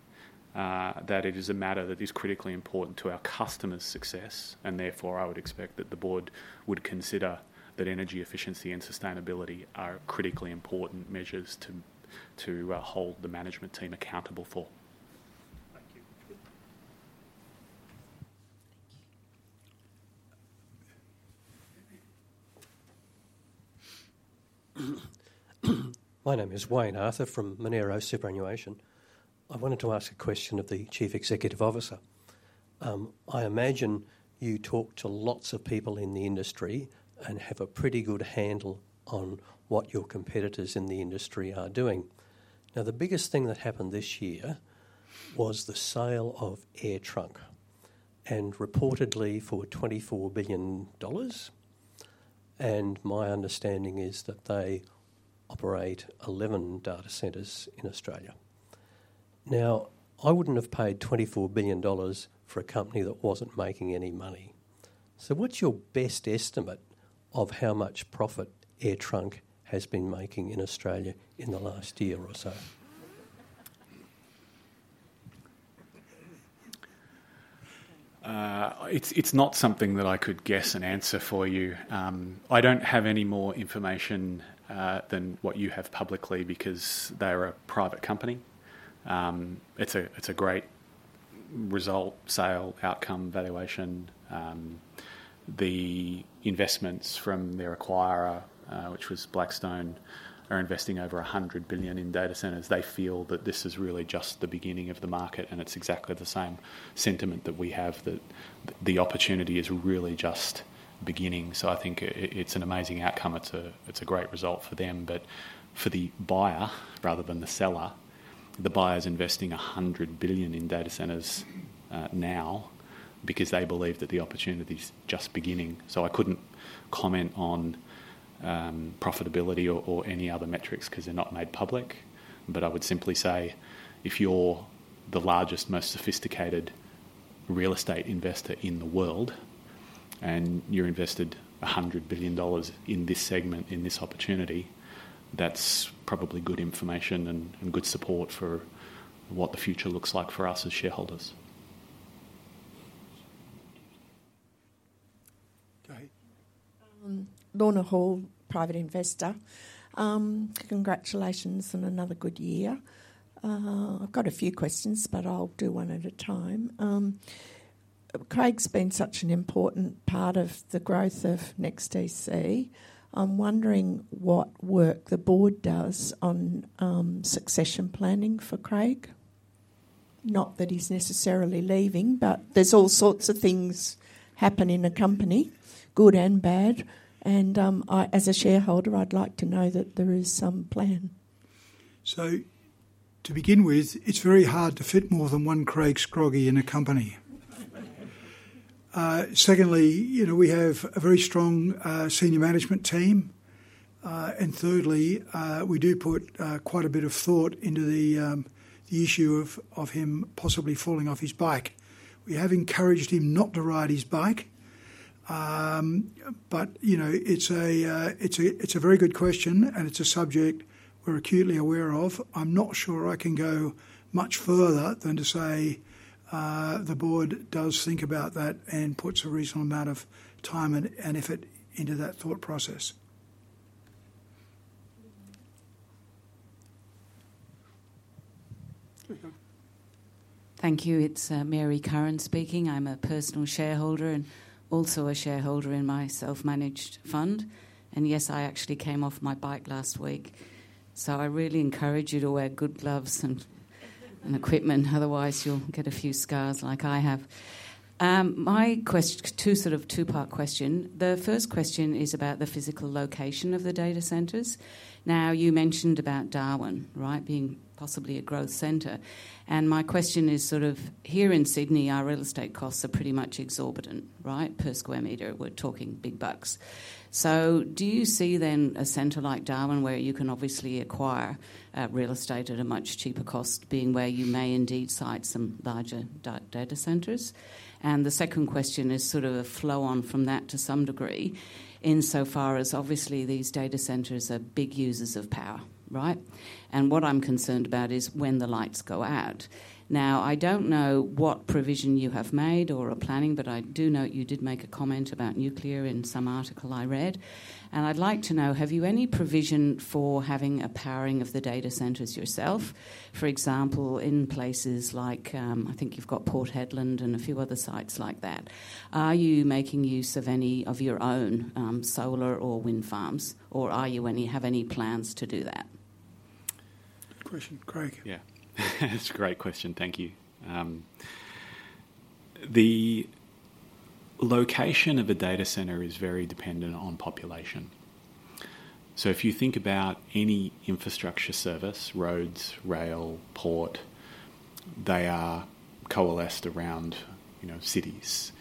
that it is a matter that is critically important to our customers' success. And therefore, I would expect that the Board would consider that energy efficiency and sustainability are critically important measures to hold the management team accountable for. Thank you. My name is Wayne Arthur from Mine Superannuation. I wanted to ask a question of the Chief Executive Officer. I imagine you talk to lots of people in the industry and have a pretty good handle on what your competitors in the industry are doing. Now, the biggest thing that happened this year was the sale of AirTrunk, and reportedly for $24 billion. My understanding is that they operate 11 data centers in Australia. Now, I wouldn't have paid $24 billion for a company that wasn't making any money. So what's your best estimate of how much profit AirTrunk has been making in Australia in the last year or so? It's not something that I could guess and answer for you. I don't have any more information than what you have publicly because they're a private company. It's a great result, sale, outcome, valuation. The investments from their acquirer, which was Blackstone, are investing over $100 billion in data centers. They feel that this is really just the beginning of the market, and it's exactly the same sentiment that we have, that the opportunity is really just beginning. So I think it's an amazing outcome. It's a great result for them. But for the buyer, rather than the seller, the buyer is investing $100 billion in data centers now because they believe that the opportunity is just beginning. So I couldn't comment on profitability or any other metrics because they're not made public. But I would simply say if you're the largest, most sophisticated real estate investor in the world and you're invested $100 billion in this segment, in this opportunity, that's probably good information and good support for what the future looks like for us as shareholders. Okay. I'm a local private investor. Congratulations on another good year. I've got a few questions, but I'll do one at a time. Craig's been such an important part of the growth of NEXTDC. I'm wondering what work the board does on succession planning for Craig. Not that he's necessarily leaving, but there's all sorts of things happen in a company, good and bad, and as a shareholder, I'd like to know that there is some plan. So to begin with, it's very hard to fit more than one Craig Scroggie in a company. Secondly, we have a very strong senior management team. And thirdly, we do put quite a bit of thought into the issue of him possibly falling off his bike. We have encouraged him not to ride his bike. But it's a very good question, and it's a subject we're acutely aware of. I'm not sure I can go much further than to say the board does think about that and puts a reasonable amount of time and effort into that thought process. Thank you. It's Mary Curran speaking. I'm a personal shareholder and also a shareholder in my self-managed fund, and yes, I actually came off my bike last week. So I really encourage you to wear good gloves and equipment. Otherwise, you'll get a few scars like I have. My question, two sort of two-part question. The first question is about the physical location of the data centers. Now, you mentioned about Darwin, right, being possibly a growth center, and my question is sort of here in Sydney, our real estate costs are pretty much exorbitant, right, per square meter. We're talking big bucks. So do you see then a center like Darwin where you can obviously acquire real estate at a much cheaper cost, being where you may indeed site some larger data centers? The second question is sort of a flow-on from that to some degree insofar as obviously these data centers are big users of power, right? And what I'm concerned about is when the lights go out. Now, I don't know what provision you have made or are planning, but I do know you did make a comment about nuclear in some article I read. And I'd like to know, have you any provision for having a powering of the data centers yourself? For example, in places like I think you've got Port Hedland and a few other sites like that, are you making use of any of your own solar or wind farms, or are you have any plans to do that? Good question. Craig? Yeah. That's a great question. Thank you. The location of a data center is very dependent on population. So if you think about any infrastructure service, roads, rail, port, they are coalesced around cities.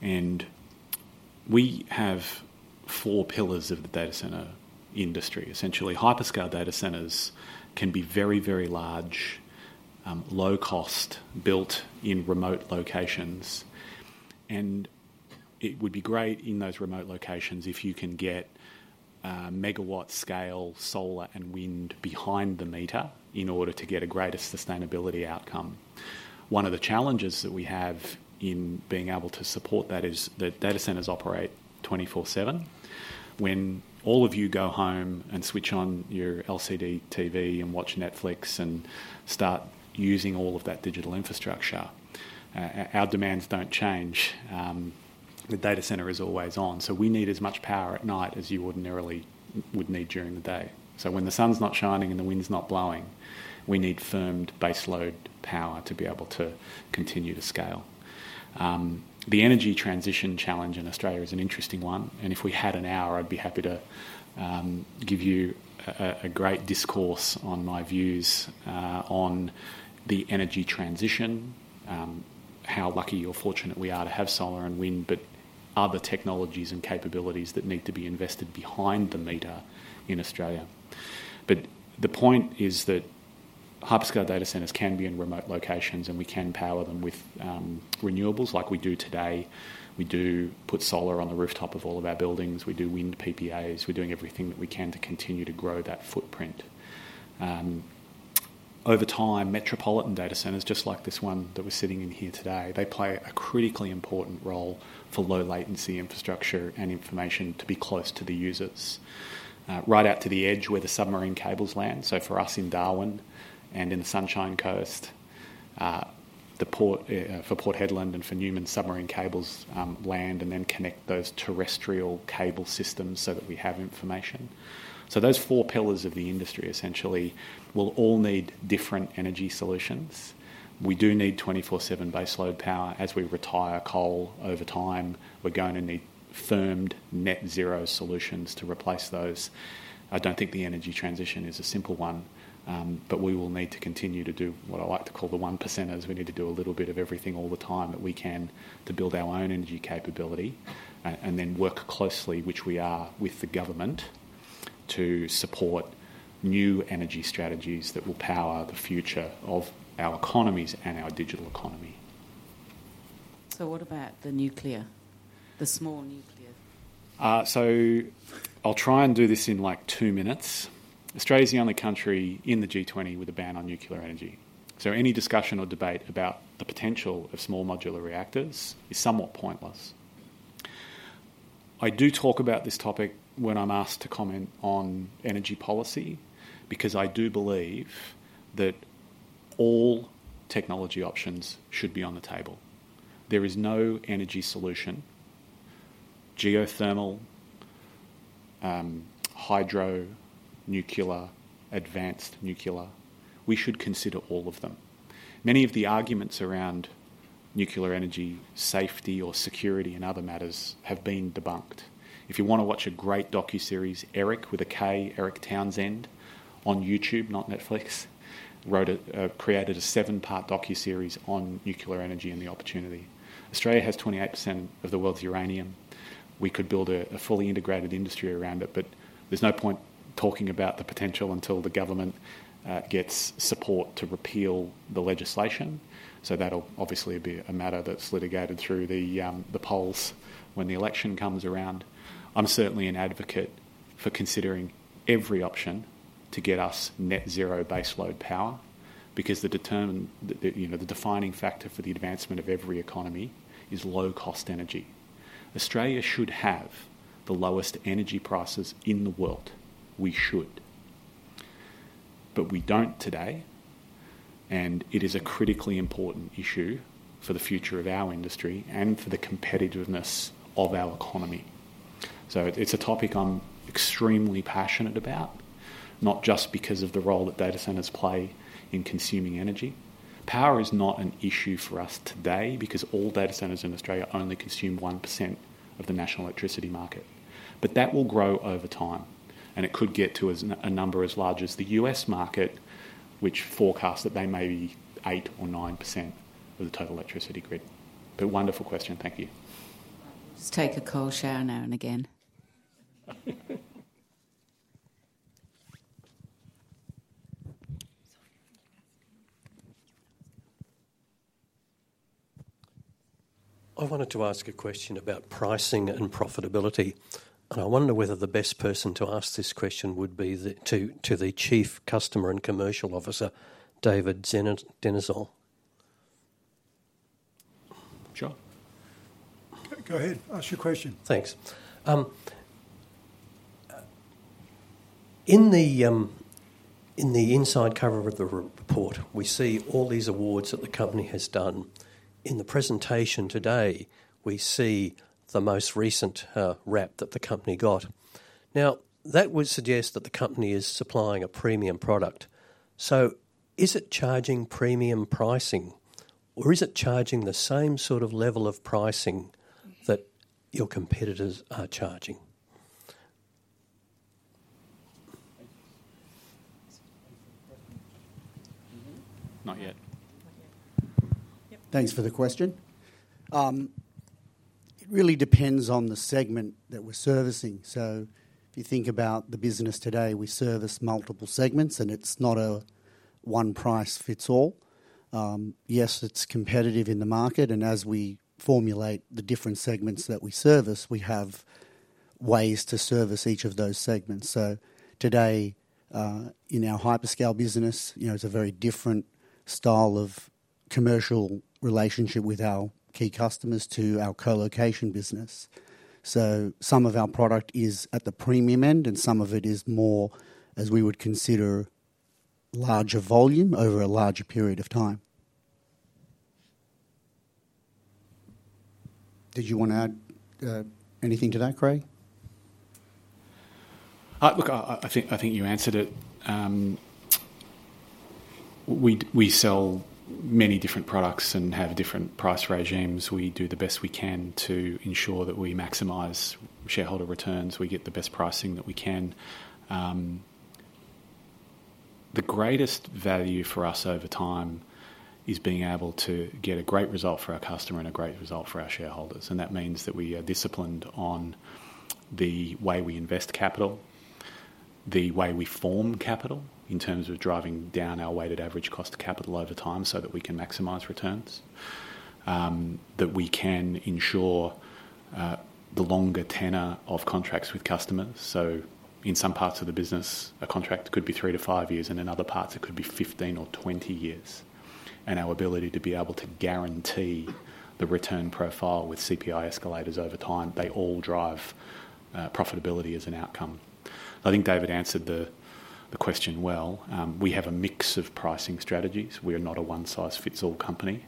And we have four pillars of the data center industry. Essentially, hyperscale data centers can be very, very large, low-cost, built in remote locations. And it would be great in those remote locations if you can get megawatt-scale solar and wind behind the meter in order to get a greater sustainability outcome. One of the challenges that we have in being able to support that is that data centers operate 24/7. When all of you go home and switch on your LCD TV and watch Netflix and start using all of that digital infrastructure, our demands don't change. The data center is always on. So we need as much power at night as you ordinarily would need during the day. So when the sun's not shining and the wind's not blowing, we need firmed base load power to be able to continue to scale. The energy transition challenge in Australia is an interesting one. And if we had an hour, I'd be happy to give you a great discourse on my views on the energy transition, how lucky or fortunate we are to have solar and wind, but other technologies and capabilities that need to be invested behind the meter in Australia. But the point is that hyperscale data centers can be in remote locations, and we can power them with renewables like we do today. We do put solar on the rooftop of all of our buildings. We do wind PPAs. We're doing everything that we can to continue to grow that footprint. Over time, metropolitan data centers, just like this one that we're sitting in here today, they play a critically important role for low-latency infrastructure and information to be close to the users. Right out to the edge where the submarine cables land, so for us in Darwin and in the Sunshine Coast, for Port Hedland and for Newman’s submarine cables land and then connect those terrestrial cable systems so that we have information. So those four pillars of the industry essentially will all need different energy solutions. We do need 24/7 base load power. As we retire coal over time, we're going to need firmed net-zero solutions to replace those. I don't think the energy transition is a simple one, but we will need to continue to do what I like to call the 1%, as we need to do a little bit of everything all the time that we can to build our own energy capability and then work closely, which we are with the government, to support new energy strategies that will power the future of our economies and our digital economy. What about the nuclear, the small nuclear? So I'll try and do this in like two minutes. Australia is the only country in the G20 with a ban on nuclear energy. So any discussion or debate about the potential of small modular reactors is somewhat pointless. I do talk about this topic when I'm asked to comment on energy policy because I do believe that all technology options should be on the table. There is no energy solution, geothermal, hydro, nuclear, advanced nuclear. We should consider all of them. Many of the arguments around nuclear energy safety or security and other matters have been debunked. If you want to watch a great docuseries, Erik with a K, Erik Townsend, on YouTube, not Netflix, created a seven-part docuseries on nuclear energy and the opportunity. Australia has 28% of the world's uranium. We could build a fully integrated industry around it, but there's no point talking about the potential until the government gets support to repeal the legislation. So that'll obviously be a matter that's litigated through the polls when the election comes around. I'm certainly an advocate for considering every option to get us net-zero base load power because the defining factor for the advancement of every economy is low-cost energy. Australia should have the lowest energy prices in the world. We should, but we don't today, and it is a critically important issue for the future of our industry and for the competitiveness of our economy, so it's a topic I'm extremely passionate about, not just because of the role that data centers play in consuming energy. Power is not an issue for us today because all data centers in Australia only consume 1% of the national electricity market. But that will grow over time. And it could get to a number as large as the U.S. market, which forecasts that they may be 8% or 9% of the total electricity grid. But wonderful question. Thank you. Just take a cold shower now and again. I wanted to ask a question about pricing and profitability, and I wonder whether the best person to ask this question would be to the Chief Customer and Commercial Officer, David Dzienciol. Sure. Go ahead. Ask your question. Thanks. In the inside cover of the report, we see all these awards that the company has done. In the presentation today, we see the most recent RAP that the company got. Now, that would suggest that the company is supplying a premium product. So is it charging premium pricing, or is it charging the same sort of level of pricing that your competitors are charging? Not yet. Thanks for the question. It really depends on the segment that we're servicing. So if you think about the business today, we service multiple segments, and it's not a one price fits all. Yes, it's competitive in the market. And as we formulate the different segments that we service, we have ways to service each of those segments. So today, in our hyperscale business, it's a very different style of commercial relationship with our key customers to our co-location business. So some of our product is at the premium end, and some of it is more as we would consider larger volume over a larger period of time. Did you want to add anything to that, Craig? Look, I think you answered it. We sell many different products and have different price regimes. We do the best we can to ensure that we maximize shareholder returns. We get the best pricing that we can. The greatest value for us over time is being able to get a great result for our customer and a great result for our shareholders. And that means that we are disciplined on the way we invest capital, the way we form capital in terms of driving down our weighted average cost of capital over time so that we can maximize returns, that we can ensure the longer tenor of contracts with customers. So in some parts of the business, a contract could be three to five years, and in other parts, it could be 15 or 20 years. Our ability to be able to guarantee the return profile with CPI escalators over time. They all drive profitability as an outcome. I think David answered the question well. We have a mix of pricing strategies. We are not a one-size-fits-all company.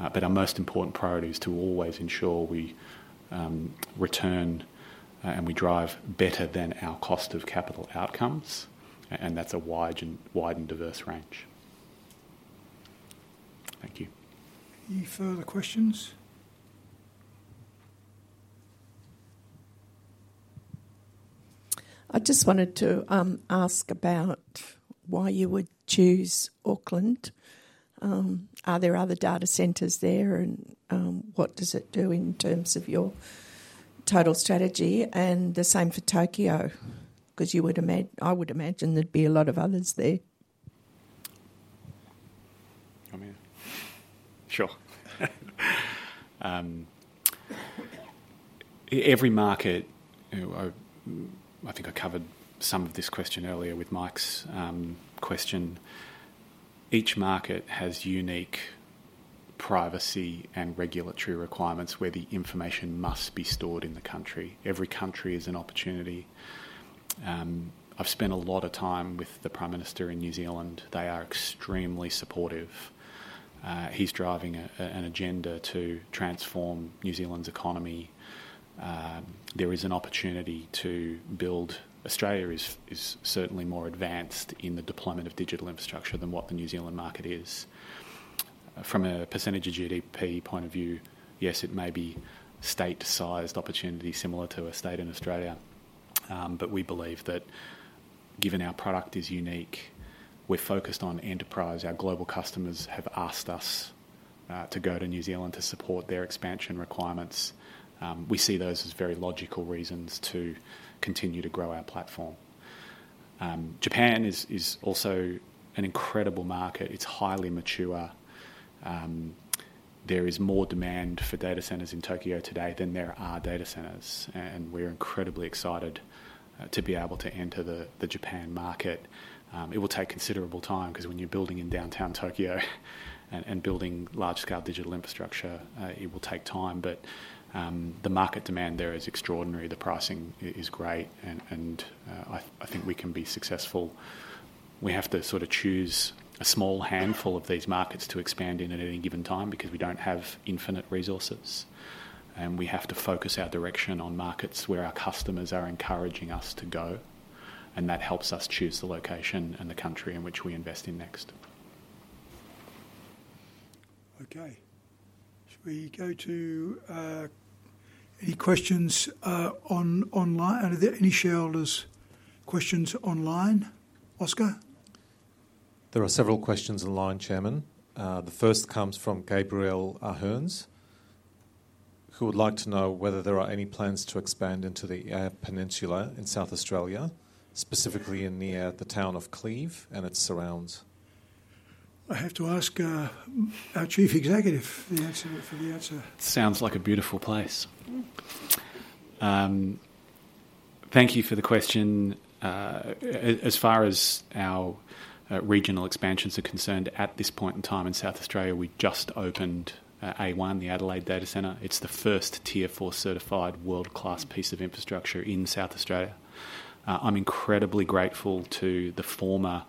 Our most important priority is to always ensure we return and we drive better than our cost of capital outcomes. That's a wide and diverse range. Thank you. Any further questions? I just wanted to ask about why you would choose Auckland. Are there other data centers there, and what does it do in terms of your total strategy? And the same for Tokyo, because I would imagine there'd be a lot of others there. Sure. Every market, I think I covered some of this question earlier with Mike's question. Each market has unique privacy and regulatory requirements where the information must be stored in the country. Every country is an opportunity. I've spent a lot of time with the Prime Minister in New Zealand. They are extremely supportive. He's driving an agenda to transform New Zealand's economy. There is an opportunity to build. Australia is certainly more advanced in the deployment of digital infrastructure than what the New Zealand market is. From a percentage of GDP point of view, yes, it may be state-sized opportunity similar to a state in Australia. But we believe that given our product is unique, we're focused on enterprise. Our global customers have asked us to go to New Zealand to support their expansion requirements. We see those as very logical reasons to continue to grow our platform. Japan is also an incredible market. It's highly mature. There is more demand for data centers in Tokyo today than there are data centers. And we're incredibly excited to be able to enter the Japan market. It will take considerable time because when you're building in downtown Tokyo and building large-scale digital infrastructure, it will take time. But the market demand there is extraordinary. The pricing is great. And I think we can be successful. We have to sort of choose a small handful of these markets to expand in at any given time because we don't have infinite resources. And we have to focus our direction on markets where our customers are encouraging us to go. And that helps us choose the location and the country in which we invest in next. Okay. Should we go to any questions online? Are there any shareholders' questions online, Oskar? There are several questions online, Chairman. The first comes from Gabriel Hurns, who would like to know whether there are any plans to expand into the peninsula in South Australia, specifically in the area of the town of Cleve and its surrounds. I have to ask our Chief Executive for the answer. Sounds like a beautiful place. Thank you for the question. As far as our regional expansions are concerned, at this point in time in South Australia, we just opened A1, the Adelaide data center. It's the first Tier IV certified world-class piece of infrastructure in South Australia. I'm incredibly grateful to the former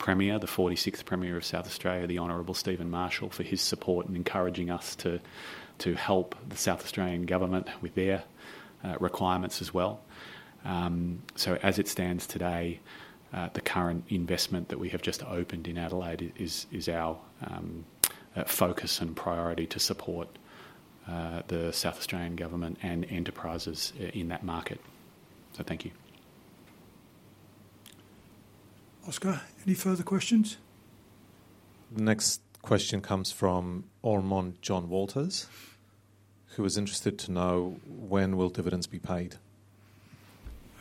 premier, the 46th premier of South Australia, the Honorable Stephen Marshall, for his support in encouraging us to help the South Australian government with their requirements as well. So as it stands today, the current investment that we have just opened in Adelaide is our focus and priority to support the South Australian government and enterprises in that market. So thank you. Oskar, any further questions? The next question comes from Ormond John Walters, who is interested to know when will dividends be paid.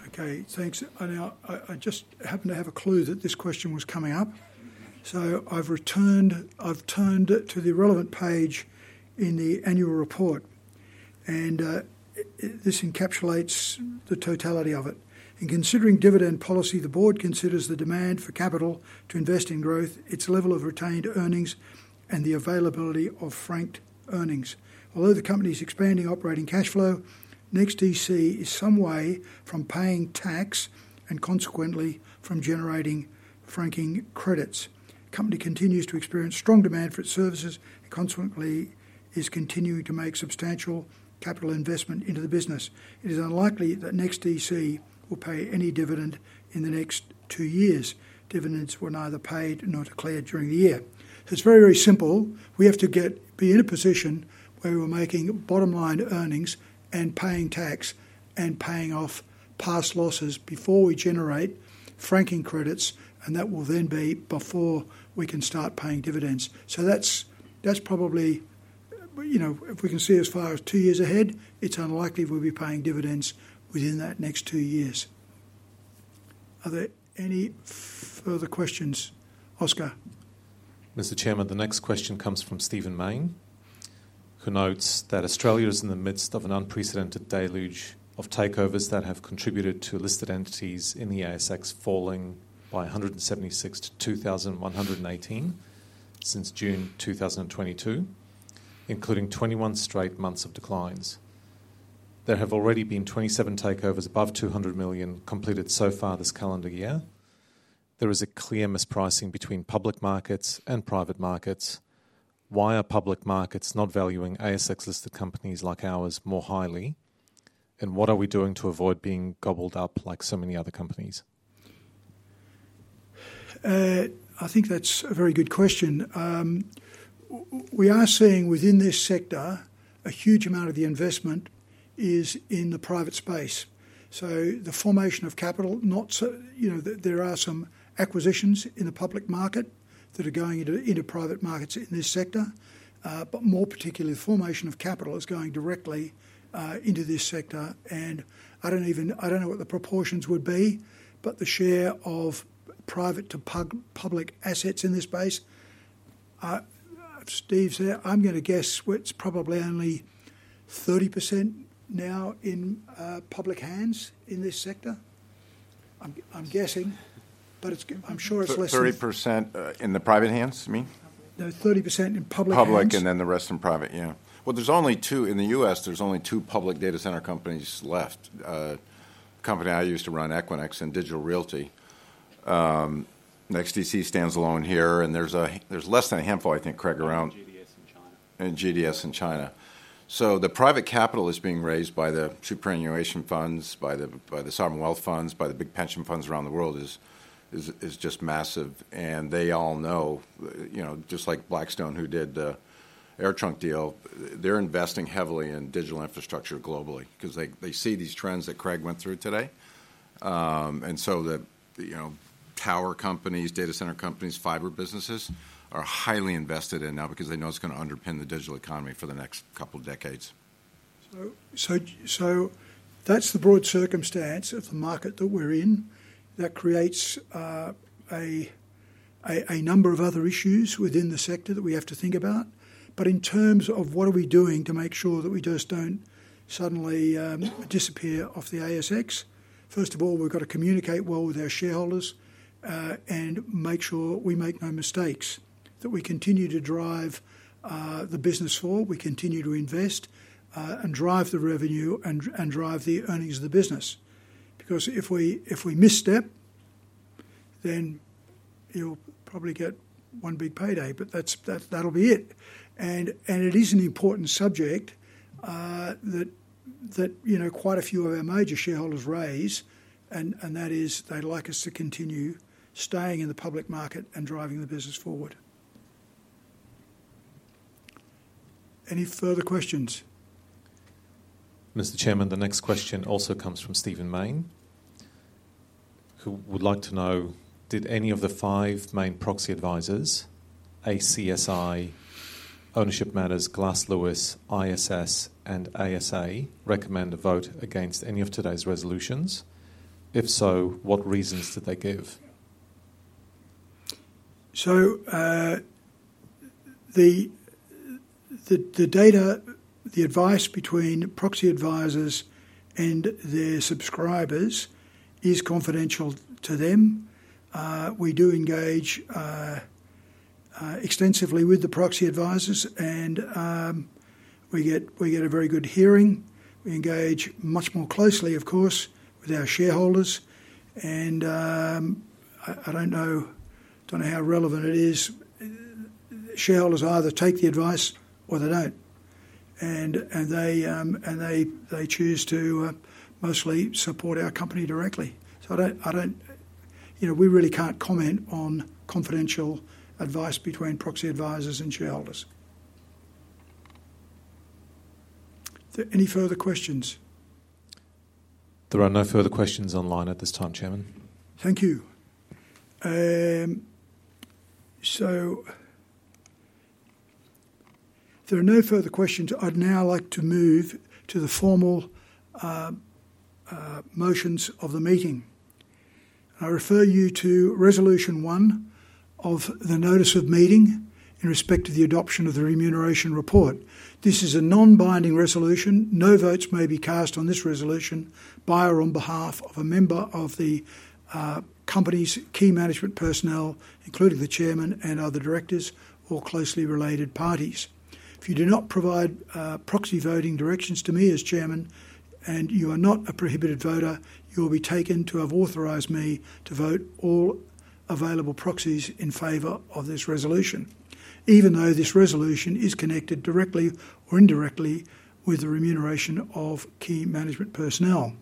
Okay. Thanks. I just happen to have a clue that this question was coming up. So I've turned to the relevant page in the annual report. And this encapsulates the totality of it. In considering dividend policy, the board considers the demand for capital to invest in growth, its level of retained earnings, and the availability of franked earnings. Although the company is expanding operating cash flow, NEXTDC is some way from paying tax and consequently from generating franking credits. The company continues to experience strong demand for its services and consequently is continuing to make substantial capital investment into the business. It is unlikely that NEXTDC will pay any dividend in the next two years. Dividends were neither paid nor declared during the year. It's very, very simple. We have to be in a position where we're making bottom-line earnings and paying tax and paying off past losses before we generate franking credits, and that will then be before we can start paying dividends. So that's probably, if we can see as far as two years ahead, it's unlikely we'll be paying dividends within that next two years. Are there any further questions, Oskar? Mr. Chairman, the next question comes from Stephen Mayne, who notes that Australia is in the midst of an unprecedented deluge of takeovers that have contributed to listed entities in the ASX falling by 176 to 2,118 since June 2022, including 21 straight months of declines. There have already been 27 takeovers above $200 million completed so far this calendar year. There is a clear mispricing between public markets and private markets. Why are public markets not valuing ASX-listed companies like ours more highly? And what are we doing to avoid being gobbled up like so many other companies? I think that's a very good question. We are seeing within this sector a huge amount of the investment is in the private space, so the formation of capital, there are some acquisitions in the public market that are going into private markets in this sector. But more particularly, the formation of capital is going directly into this sector, and I don't know what the proportions would be, but the share of private to public assets in this space. Steve said, I'm going to guess it's probably only 30% now in public hands in this sector. I'm guessing, but I'm sure it's less. So 30% in the private hands, you mean? No, 30% in public. Public and then the rest in private, yeah. Well, there's only two in the U.S., there's only two public data center companies left. The company I used to run, Equinix and Digital Realty. NEXTDC stands alone here. And there's less than a handful, I think, Craig, around. GDS and China. And GDS and China. So the private capital is being raised by the superannuation funds, by the sovereign wealth funds, by the big pension funds around the world is just massive. And they all know, just like Blackstone, who did the AirTrunk deal, they're investing heavily in digital infrastructure globally because they see these trends that Craig went through today. And so the tower companies, data center companies, fiber businesses are highly invested in now because they know it's going to underpin the digital economy for the next couple of decades. So that's the broad circumstance of the market that we're in. That creates a number of other issues within the sector that we have to think about. But in terms of what are we doing to make sure that we just don't suddenly disappear off the ASX, first of all, we've got to communicate well with our shareholders and make sure we make no mistakes, that we continue to drive the business forward, we continue to invest and drive the revenue and drive the earnings of the business. Because if we misstep, then you'll probably get one big payday, but that'll be it. And it is an important subject that quite a few of our major shareholders raise, and that is they'd like us to continue staying in the public market and driving the business forward. Any further questions? Mr. Chairman, the next question also comes from Stephen Mayne, who would like to know, did any of the five main proxy advisors, ACSI, Ownership Matters, Glass Lewis, ISS, and ASA recommend a vote against any of today's resolutions? If so, what reasons did they give? So the data, the advice between proxy advisors and their subscribers is confidential to them. We do engage extensively with the proxy advisors, and we get a very good hearing. We engage much more closely, of course, with our shareholders. And I don't know how relevant it is. Shareholders either take the advice or they don't. And they choose to mostly support our company directly. So we really can't comment on confidential advice between proxy advisors and shareholders. Any further questions? There are no further questions online at this time, Chairman. Thank you. So if there are no further questions, I'd now like to move to the formal motions of the meeting. I refer you to Resolution 1 of the Notice of Meeting in respect of the adoption of the remuneration report. This is a non-binding resolution. No votes may be cast on this resolution by or on behalf of a member of the company's key management personnel, including the Chairman and other Directors or closely related parties. If you do not provide proxy voting directions to me as Chairman and you are not a prohibited voter, you will be taken to have authorized me to vote all available proxies in favor of this resolution, even though this resolution is connected directly or indirectly with the remuneration of key management personnel.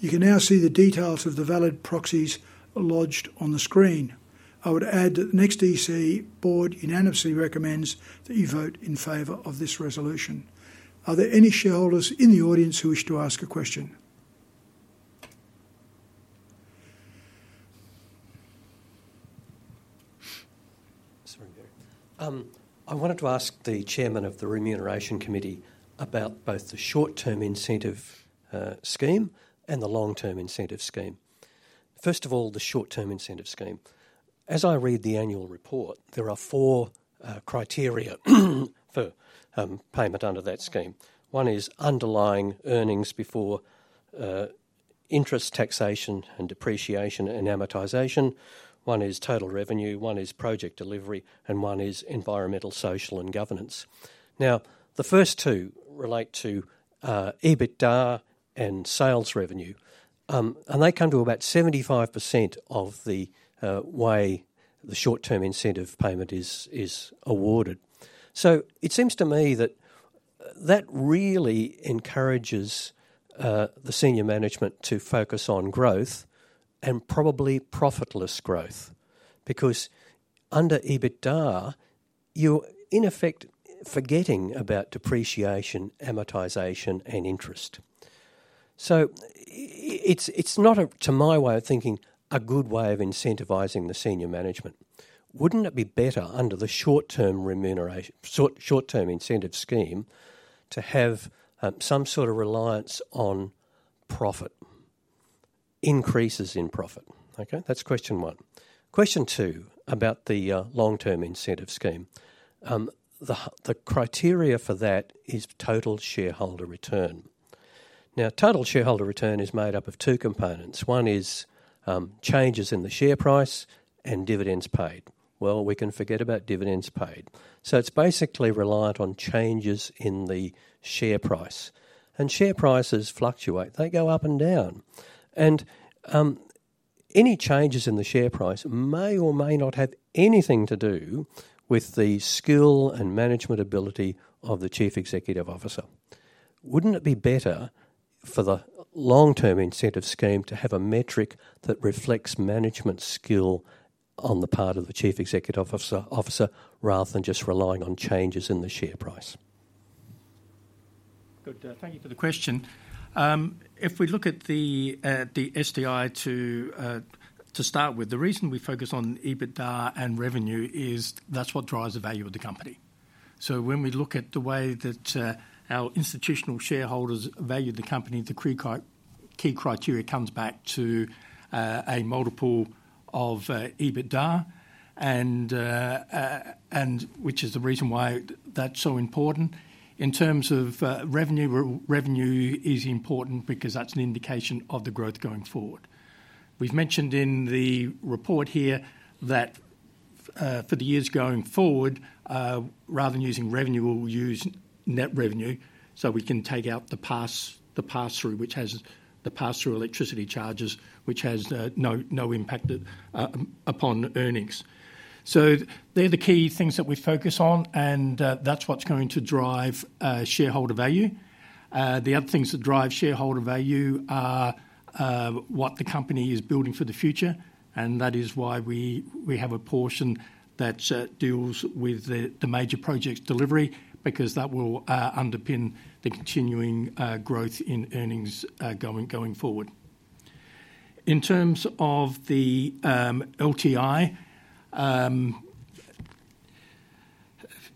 You can now see the details of the valid proxies lodged on the screen. I would add that the NEXTDC board unanimously recommends that you vote in favor of this resolution. Are there any shareholders in the audience who wish to ask a question? I wanted to ask the Chairman of the Remuneration Committee about both the short-term incentive scheme and the long-term incentive scheme. First of all, the short-term incentive scheme. As I read the annual report, there are four criteria for payment under that scheme. One is underlying earnings before interest, taxation, and depreciation and amortization. One is total revenue. One is project delivery. And one is Environmental, Social, and Governance. Now, the first two relate to EBITDA and sales revenue. And they come to about 75% of the way the short-term incentive payment is awarded. So it seems to me that that really encourages the senior management to focus on growth and probably profitless growth because under EBITDA, you're in effect forgetting about depreciation, amortization, and interest. So it's not, to my way of thinking, a good way of incentivizing the senior management. Wouldn't it be better under the short-term incentive scheme to have some sort of reliance on profit, increases in profit? Okay, that's question one. Question two about the long-term incentive scheme. The criteria for that is total shareholder return. Now, total shareholder return is made up of two components. One is changes in the share price and dividends paid. Well, we can forget about dividends paid. So it's basically reliant on changes in the share price. And share prices fluctuate. They go up and down. And any changes in the share price may or may not have anything to do with the skill and management ability of the chief executive officer. Wouldn't it be better for the long-term incentive scheme to have a metric that reflects management skill on the part of the Chief Executive Officer rather than just relying on changes in the share price? Good. Thank you for the question. If we look at the STI to start with, the reason we focus on EBITDA and revenue is that's what drives the value of the company, so when we look at the way that our institutional shareholders value the company, the key criteria comes back to a multiple of EBITDA, which is the reason why that's so important. In terms of revenue, revenue is important because that's an indication of the growth going forward. We've mentioned in the report here that for the years going forward, rather than using revenue, we'll use net revenue so we can take out the pass-through, which has the pass-through electricity charges, which has no impact upon earnings, so they're the key things that we focus on, and that's what's going to drive shareholder value. The other things that drive shareholder value are what the company is building for the future. And that is why we have a portion that deals with the major projects delivery because that will underpin the continuing growth in earnings going forward. In terms of the LTI,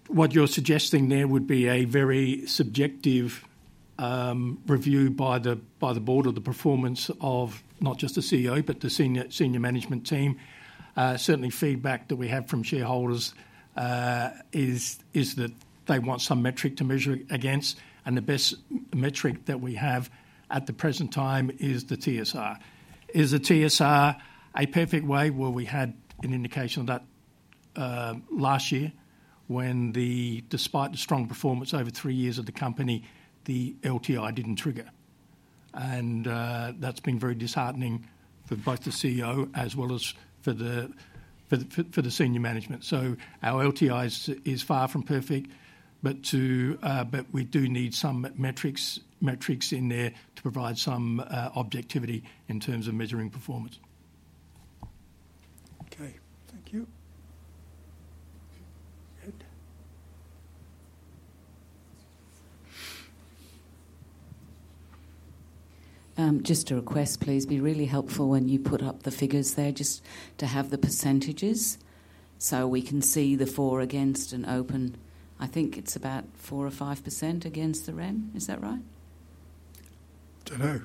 what you're suggesting there would be a very subjective review by the Board of the performance of not just the CEO, but the senior management team. Certainly, feedback that we have from shareholders is that they want some metric to measure against. And the best metric that we have at the present time is the TSR. Is the TSR a perfect way? Well, we had an indication of that last year when, despite the strong performance over three years of the company, the LTI didn't trigger. And that's been very disheartening for both the CEO as well as for the senior management. So our LTI is far from perfect, but we do need some metrics in there to provide some objectivity in terms of measuring performance. Okay, thank you. Just a request, please. Be really helpful when you put up the figures there just to have the percentages so we can see the 4% against an open. I think it's about 4% or 5% against the Rem. Is that right? I don't know.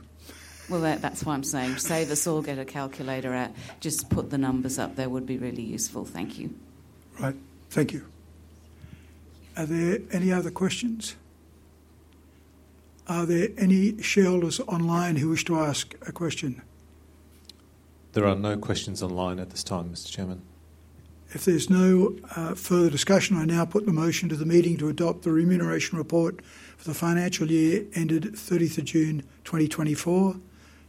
That's why I'm saying save us all, get a calculator out. Just put the numbers up. They would be really useful. Thank you. Right. Thank you. Are there any other questions? Are there any shareholders online who wish to ask a question? There are no questions online at this time, Mr. Chairman. If there's no further discussion, I now put the motion to the meeting to adopt the remuneration report for the financial year ended 30th of June 2024.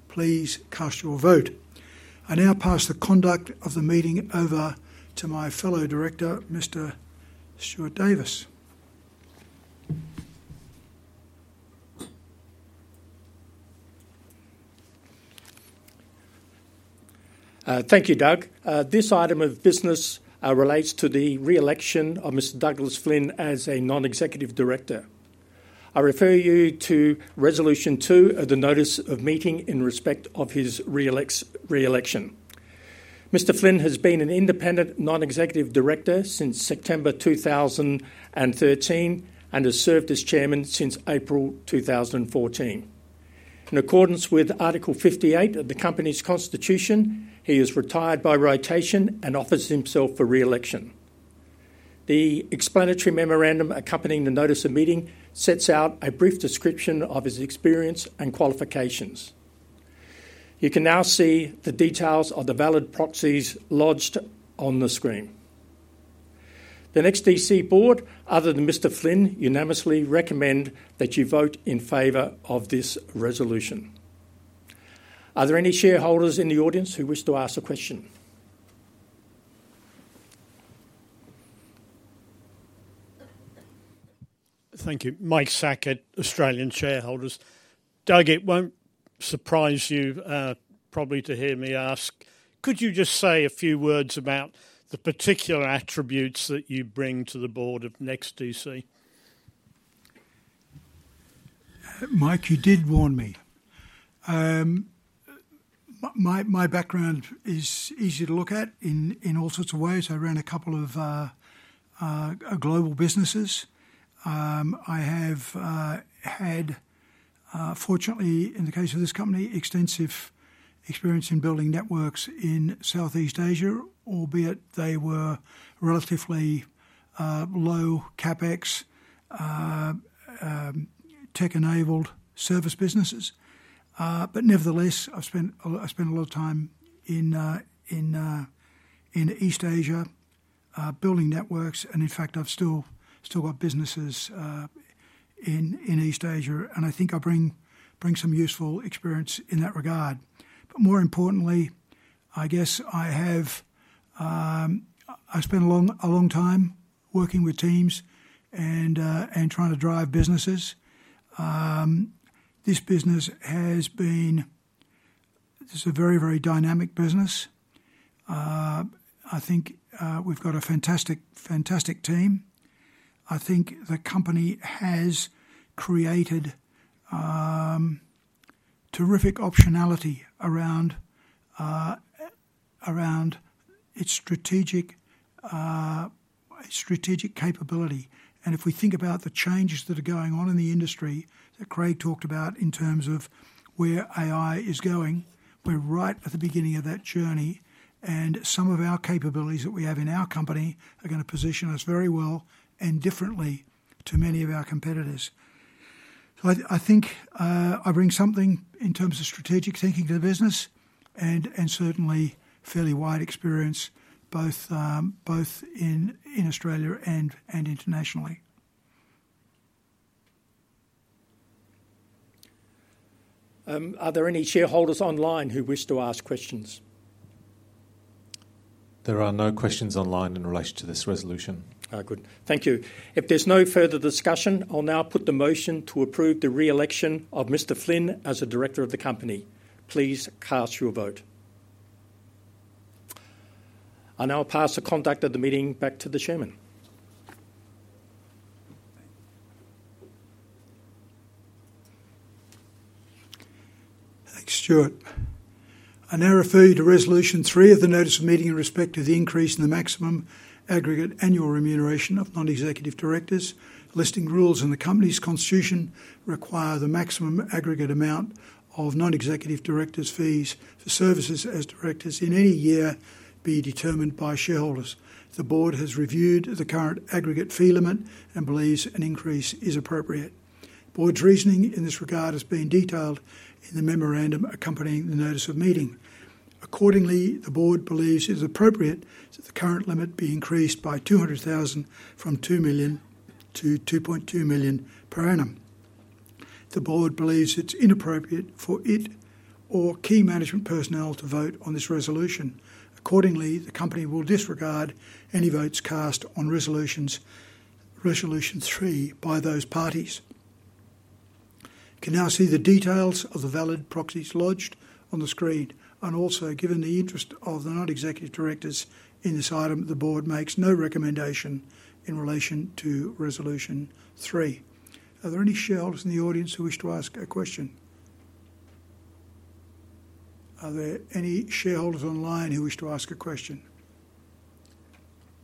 Please cast your vote. I now pass the conduct of the meeting over to my fellow director, Mr. Stuart Davis. Thank you, Doug. This item of business relates to the reelection of Mr. Douglas Flynn as a Non-Executive Director. I refer you to Resolution 2 of the Notice of Meeting in respect of his reelection. Mr. Flynn has been an independent Non-Executive Director since September 2013 and has served as Chairman since April 2014. In accordance with Article 58 of the company's constitution, he is retired by rotation and offers himself for reelection. The explanatory memorandum accompanying the Notice of Meeting sets out a brief description of his experience and qualifications. You can now see the details of the valid proxies lodged on the screen. The NEXTDC board, other than Mr. Flynn, unanimously recommend that you vote in favor of this resolution. Are there any shareholders in the audience who wish to ask a question? Thank you. Mike Sackett at Australian Shareholders. Doug, it won't surprise you probably to hear me ask, could you just say a few words about the particular attributes that you bring to the Board of NEXTDC? Mike, you did warn me. My background is easy to look at in all sorts of ways. I ran a couple of global businesses. I have had, fortunately, in the case of this company, extensive experience in building networks in Southeast Asia, albeit they were relatively low CapEx, tech-enabled service businesses. But nevertheless, I've spent a lot of time in East Asia building networks. And in fact, I've still got businesses in East Asia. And I think I bring some useful experience in that regard. But more importantly, I guess I spent a long time working with teams and trying to drive businesses. This business has been a very, very dynamic business. I think we've got a fantastic team. I think the company has created terrific optionality around its strategic capability. If we think about the changes that are going on in the industry that Craig talked about in terms of where AI is going, we're right at the beginning of that journey. And some of our capabilities that we have in our company are going to position us very well and differently to many of our competitors. I think I bring something in terms of strategic thinking to the business and certainly fairly wide experience both in Australia and internationally. Are there any shareholders online who wish to ask questions? There are no questions online in relation to this resolution. Good. Thank you. If there's no further discussion, I'll now put the motion to approve the reelection of Mr. Flynn as a Director of the company. Please cast your vote. I now pass the conduct of the meeting back to the Chairman. Thanks, Stuart. I now refer you to Resolution 3 of the Notice of Meeting in respect of the increase in the maximum aggregate annual remuneration of Non-Executive Directors. Listing rules in the company's constitution require the maximum aggregate amount of Non-Executive Directors' fees for services as Directors in any year be determined by shareholders. The Board has reviewed the current aggregate fee limit and believes an increase is appropriate. The Board's reasoning in this regard has been detailed in the memorandum accompanying the Notice of Meeting. Accordingly, the board believes it is appropriate that the current limit be increased by $200,000 from $2 million to $2.2 million per annum. The board believes it's inappropriate for it or key management personnel to vote on this resolution. Accordingly, the company will disregard any votes cast on Resolution 3 by those parties. You can now see the details of the valid proxies lodged on the screen. And also, given the interest of the Non-Executive Directors in this item, the Board makes no recommendation in relation to Resolution 3. Are there any shareholders in the audience who wish to ask a question? Are there any shareholders online who wish to ask a question?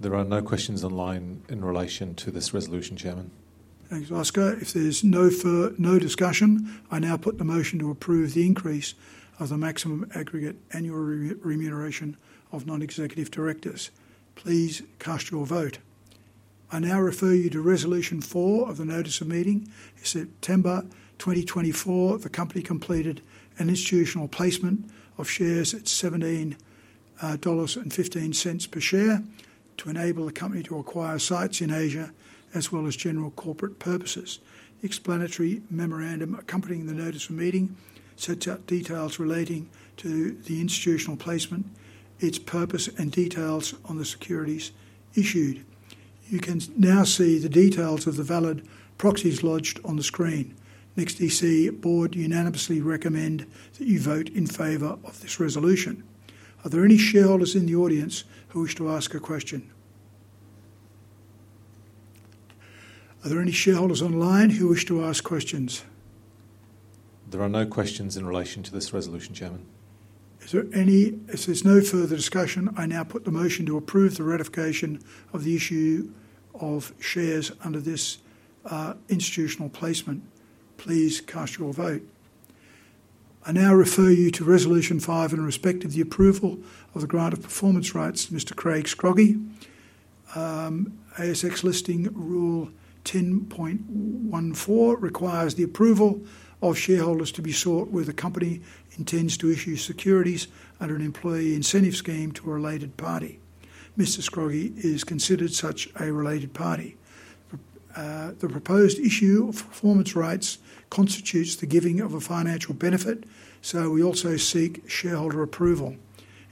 There are no questions online in relation to this resolution, Chairman. Thanks, Oskar. If there's no discussion, I now put the motion to approve the increase of the maximum aggregate annual remuneration of Non-Executive Directors. Please cast your vote. I now refer you to Resolution 4 of the Notice of Meeting. In September 2024, the company completed an institutional placement of shares at $17.15 per share to enable the company to acquire sites in Asia as well as general corporate purposes. The explanatory memorandum accompanying the Notice of Meeting sets out details relating to the institutional placement, its purpose, and details on the securities issued. You can now see the details of the valid proxies lodged on the screen. NEXTDC Board unanimously recommend that you vote in favor of this resolution. Are there any shareholders in the audience who wish to ask a question? Are there any shareholders online who wish to ask questions? There are no questions in relation to this resolution, Chairman. If there's no further discussion, I now put the motion to approve the ratification of the issue of shares under this institutional placement. Please cast your vote. I now refer you to Resolution 5 in respect of the approval of the grant of performance rights to Mr. Craig Scroggie. ASX listing rule 10.14 requires the approval of shareholders to be sought where the company intends to issue securities under an employee incentive scheme to a related party. Mr. Scroggie is considered such a related party. The proposed issue of performance rights constitutes the giving of a financial benefit, so we also seek shareholder approval.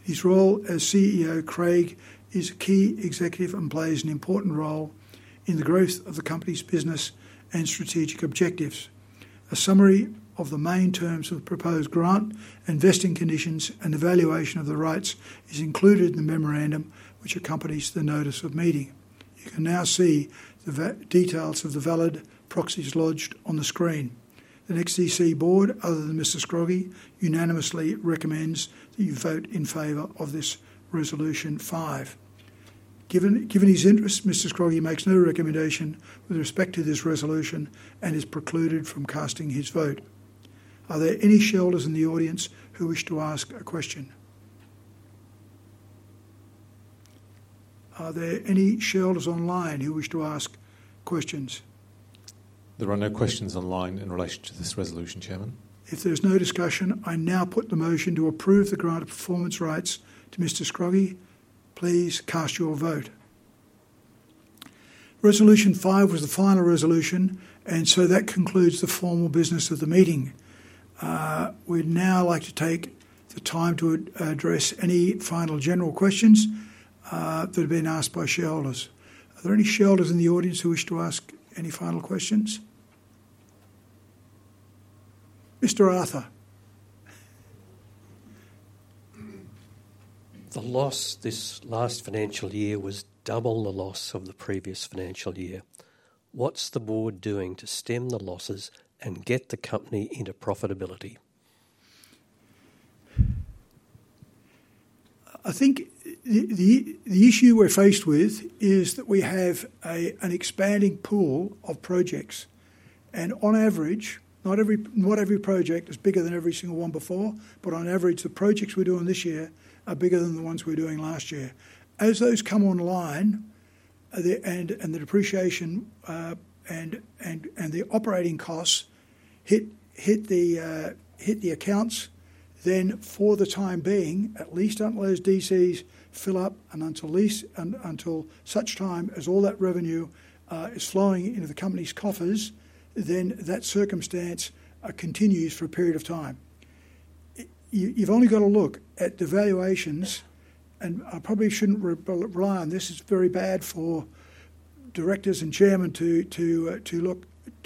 His role as CEO Craig is a key executive and plays an important role in the growth of the company's business and strategic objectives. A summary of the main terms of the proposed grant, investing conditions, and evaluation of the rights is included in the memorandum which accompanies the Notice of Meeting. You can now see the details of the valid proxies lodged on the screen. The NEXTDC Board, other than Mr. Scroggie, unanimously recommends that you vote in favor of this Resolution 5. Given his interest, Mr. Scroggie makes no recommendation with respect to this resolution and is precluded from casting his vote. Are there any shareholders in the audience who wish to ask a question? Are there any shareholders online who wish to ask questions? There are no questions online in relation to this resolution, Chairman. If there's no discussion, I now put the motion to approve the grant of performance rights to Mr. Scroggie. Please cast your vote. Resolution 5 was the final resolution, and so that concludes the formal business of the meeting. We'd now like to take the time to address any final general questions that have been asked by shareholders. Are there any shareholders in the audience who wish to ask any final questions? Mr. Arthur? The loss this last financial year was double the loss of the previous financial year. What's the board doing to stem the losses and get the company into profitability? I think the issue we're faced with is that we have an expanding pool of projects, and on average, not every project is bigger than every single one before, but on average, the projects we're doing this year are bigger than the ones we were doing last year. As those come online and the depreciation and the operating costs hit the accounts, then for the time being, at least until those DCs fill up and until such time as all that revenue is flowing into the company's coffers, then that circumstance continues for a period of time. You've only got to look at the valuations, and I probably shouldn't rely on this. It's very bad for Directors and Chairmen to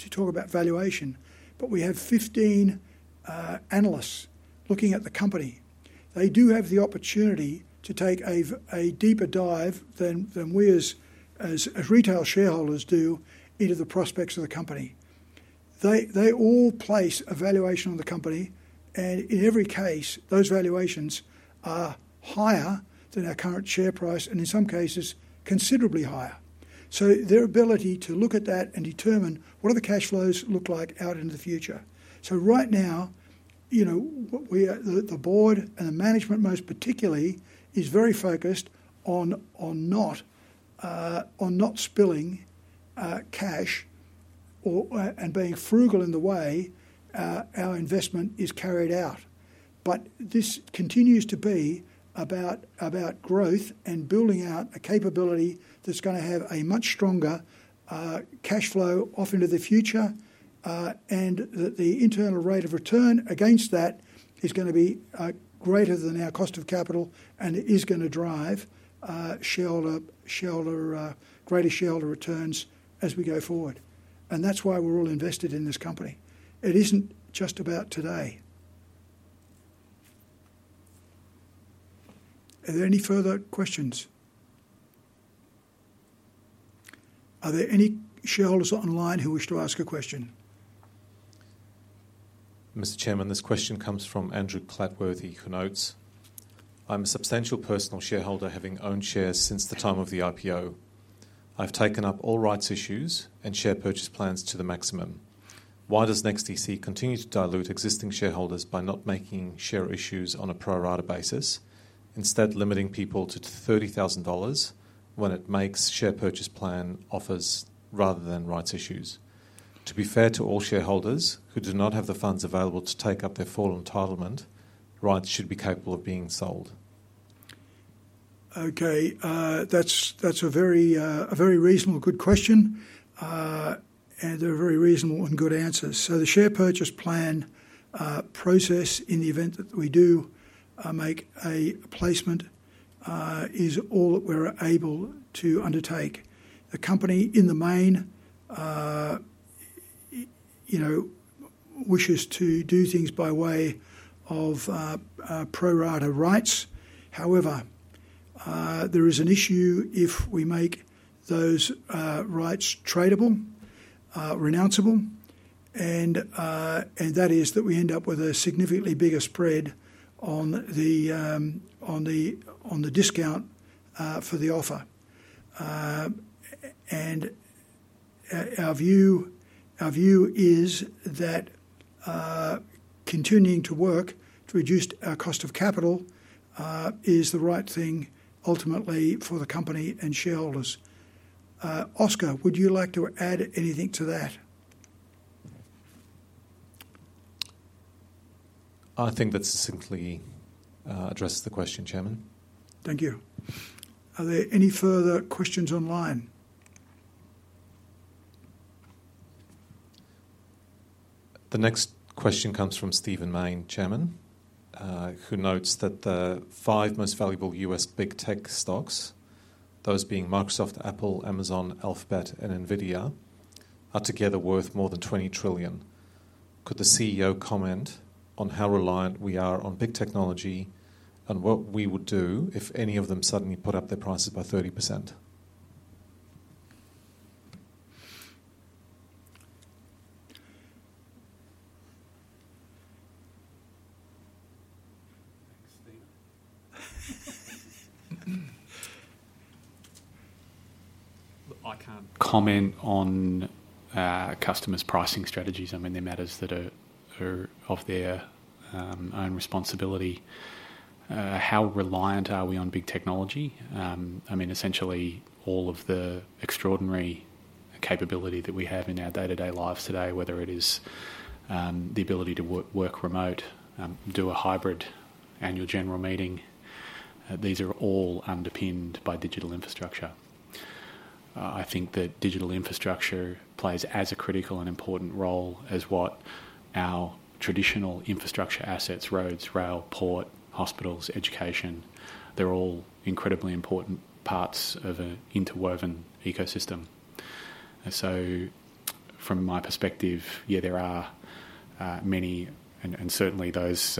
talk about valuation, but we have 15 analysts looking at the company. They do have the opportunity to take a deeper dive than we as retail shareholders do into the prospects of the company. They all place a valuation on the company, and in every case, those valuations are higher than our current share price and in some cases, considerably higher. So their ability to look at that and determine what the cash flows look like out into the future. So right now, the Board and the management most particularly is very focused on not spilling cash and being frugal in the way our investment is carried out. But this continues to be about growth and building out a capability that's going to have a much stronger cash flow off into the future, and the internal rate of return against that is going to be greater than our cost of capital, and it is going to drive greater shareholder returns as we go forward. And that's why we're all invested in this company. It isn't just about today. Are there any further questions? Are there any shareholders online who wish to ask a question? Mr. Chairman, this question comes from Andrew Clatworthy, who notes, "I'm a substantial personal shareholder having owned shares since the time of the IPO. I've taken up all rights issues and share purchase plans to the maximum. Why does NEXTDC continue to dilute existing shareholders by not making share issues on a pro-rata basis, instead limiting people to $30,000 when it makes share purchase plan offers rather than rights issues? To be fair to all shareholders who do not have the funds available to take up their full entitlement, rights should be capable of being sold. Okay. That's a very reasonable, good question, and a very reasonable and good answer. So the share purchase plan process, in the event that we do make a placement, is all that we're able to undertake. The company in the main wishes to do things by way of pro-rata rights. However, there is an issue if we make those rights tradable, renounceable, and that is that we end up with a significantly bigger spread on the discount for the offer. And our view is that continuing to work to reduce our cost of capital is the right thing ultimately for the company and shareholders. Oskar, would you like to add anything to that? I think that succinctly addresses the question, Chairman. Thank you. Are there any further questions online? The next question comes from Stephen Mayne, Chairman, who notes that the five most valuable U.S. big tech stocks, those being Microsoft, Apple, Amazon, Alphabet, and NVIDIA, are together worth more than $20 trillion. Could the CEO comment on how reliant we are on big technology and what we would do if any of them suddenly put up their prices by 30%? I can't comment on customers' pricing strategies. I mean, they're matters that are of their own responsibility. How reliant are we on big technology? I mean, essentially, all of the extraordinary capability that we have in our day-to-day lives today, whether it is the ability to work remote, do a hybrid Annual General Meeting, these are all underpinned by digital infrastructure. I think that digital infrastructure plays as a critical and important role as what our traditional infrastructure assets, roads, rail, port, hospitals, education, they're all incredibly important parts of an interwoven ecosystem. So from my perspective, yeah, there are many, and certainly those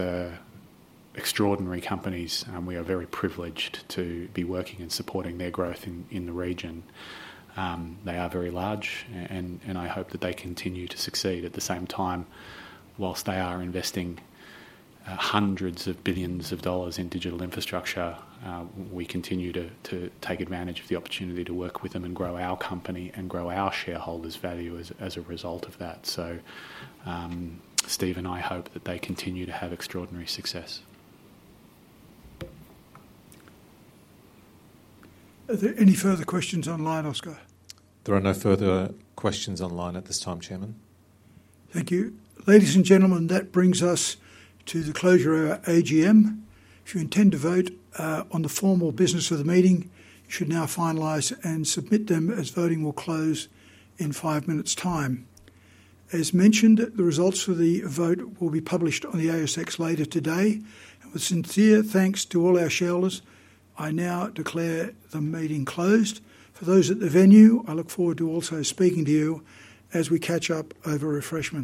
extraordinary companies, we are very privileged to be working and supporting their growth in the region. They are very large, and I hope that they continue to succeed. At the same time, while they are investing hundreds of billions of dollars in digital infrastructure, we continue to take advantage of the opportunity to work with them and grow our company and grow our shareholders' value as a result of that. So Steve and I hope that they continue to have extraordinary success. Are there any further questions online, Oskar? There are no further questions online at this time, Chairman. Thank you. Ladies and gentlemen, that brings us to the closure of our AGM. If you intend to vote on the formal business of the meeting, you should now finalize and submit them as voting will close in five minutes' time. As mentioned, the results of the vote will be published on the ASX later today. With sincere thanks to all our shareholders, I now declare the meeting closed. For those at the venue, I look forward to also speaking to you as we catch up over a refreshment.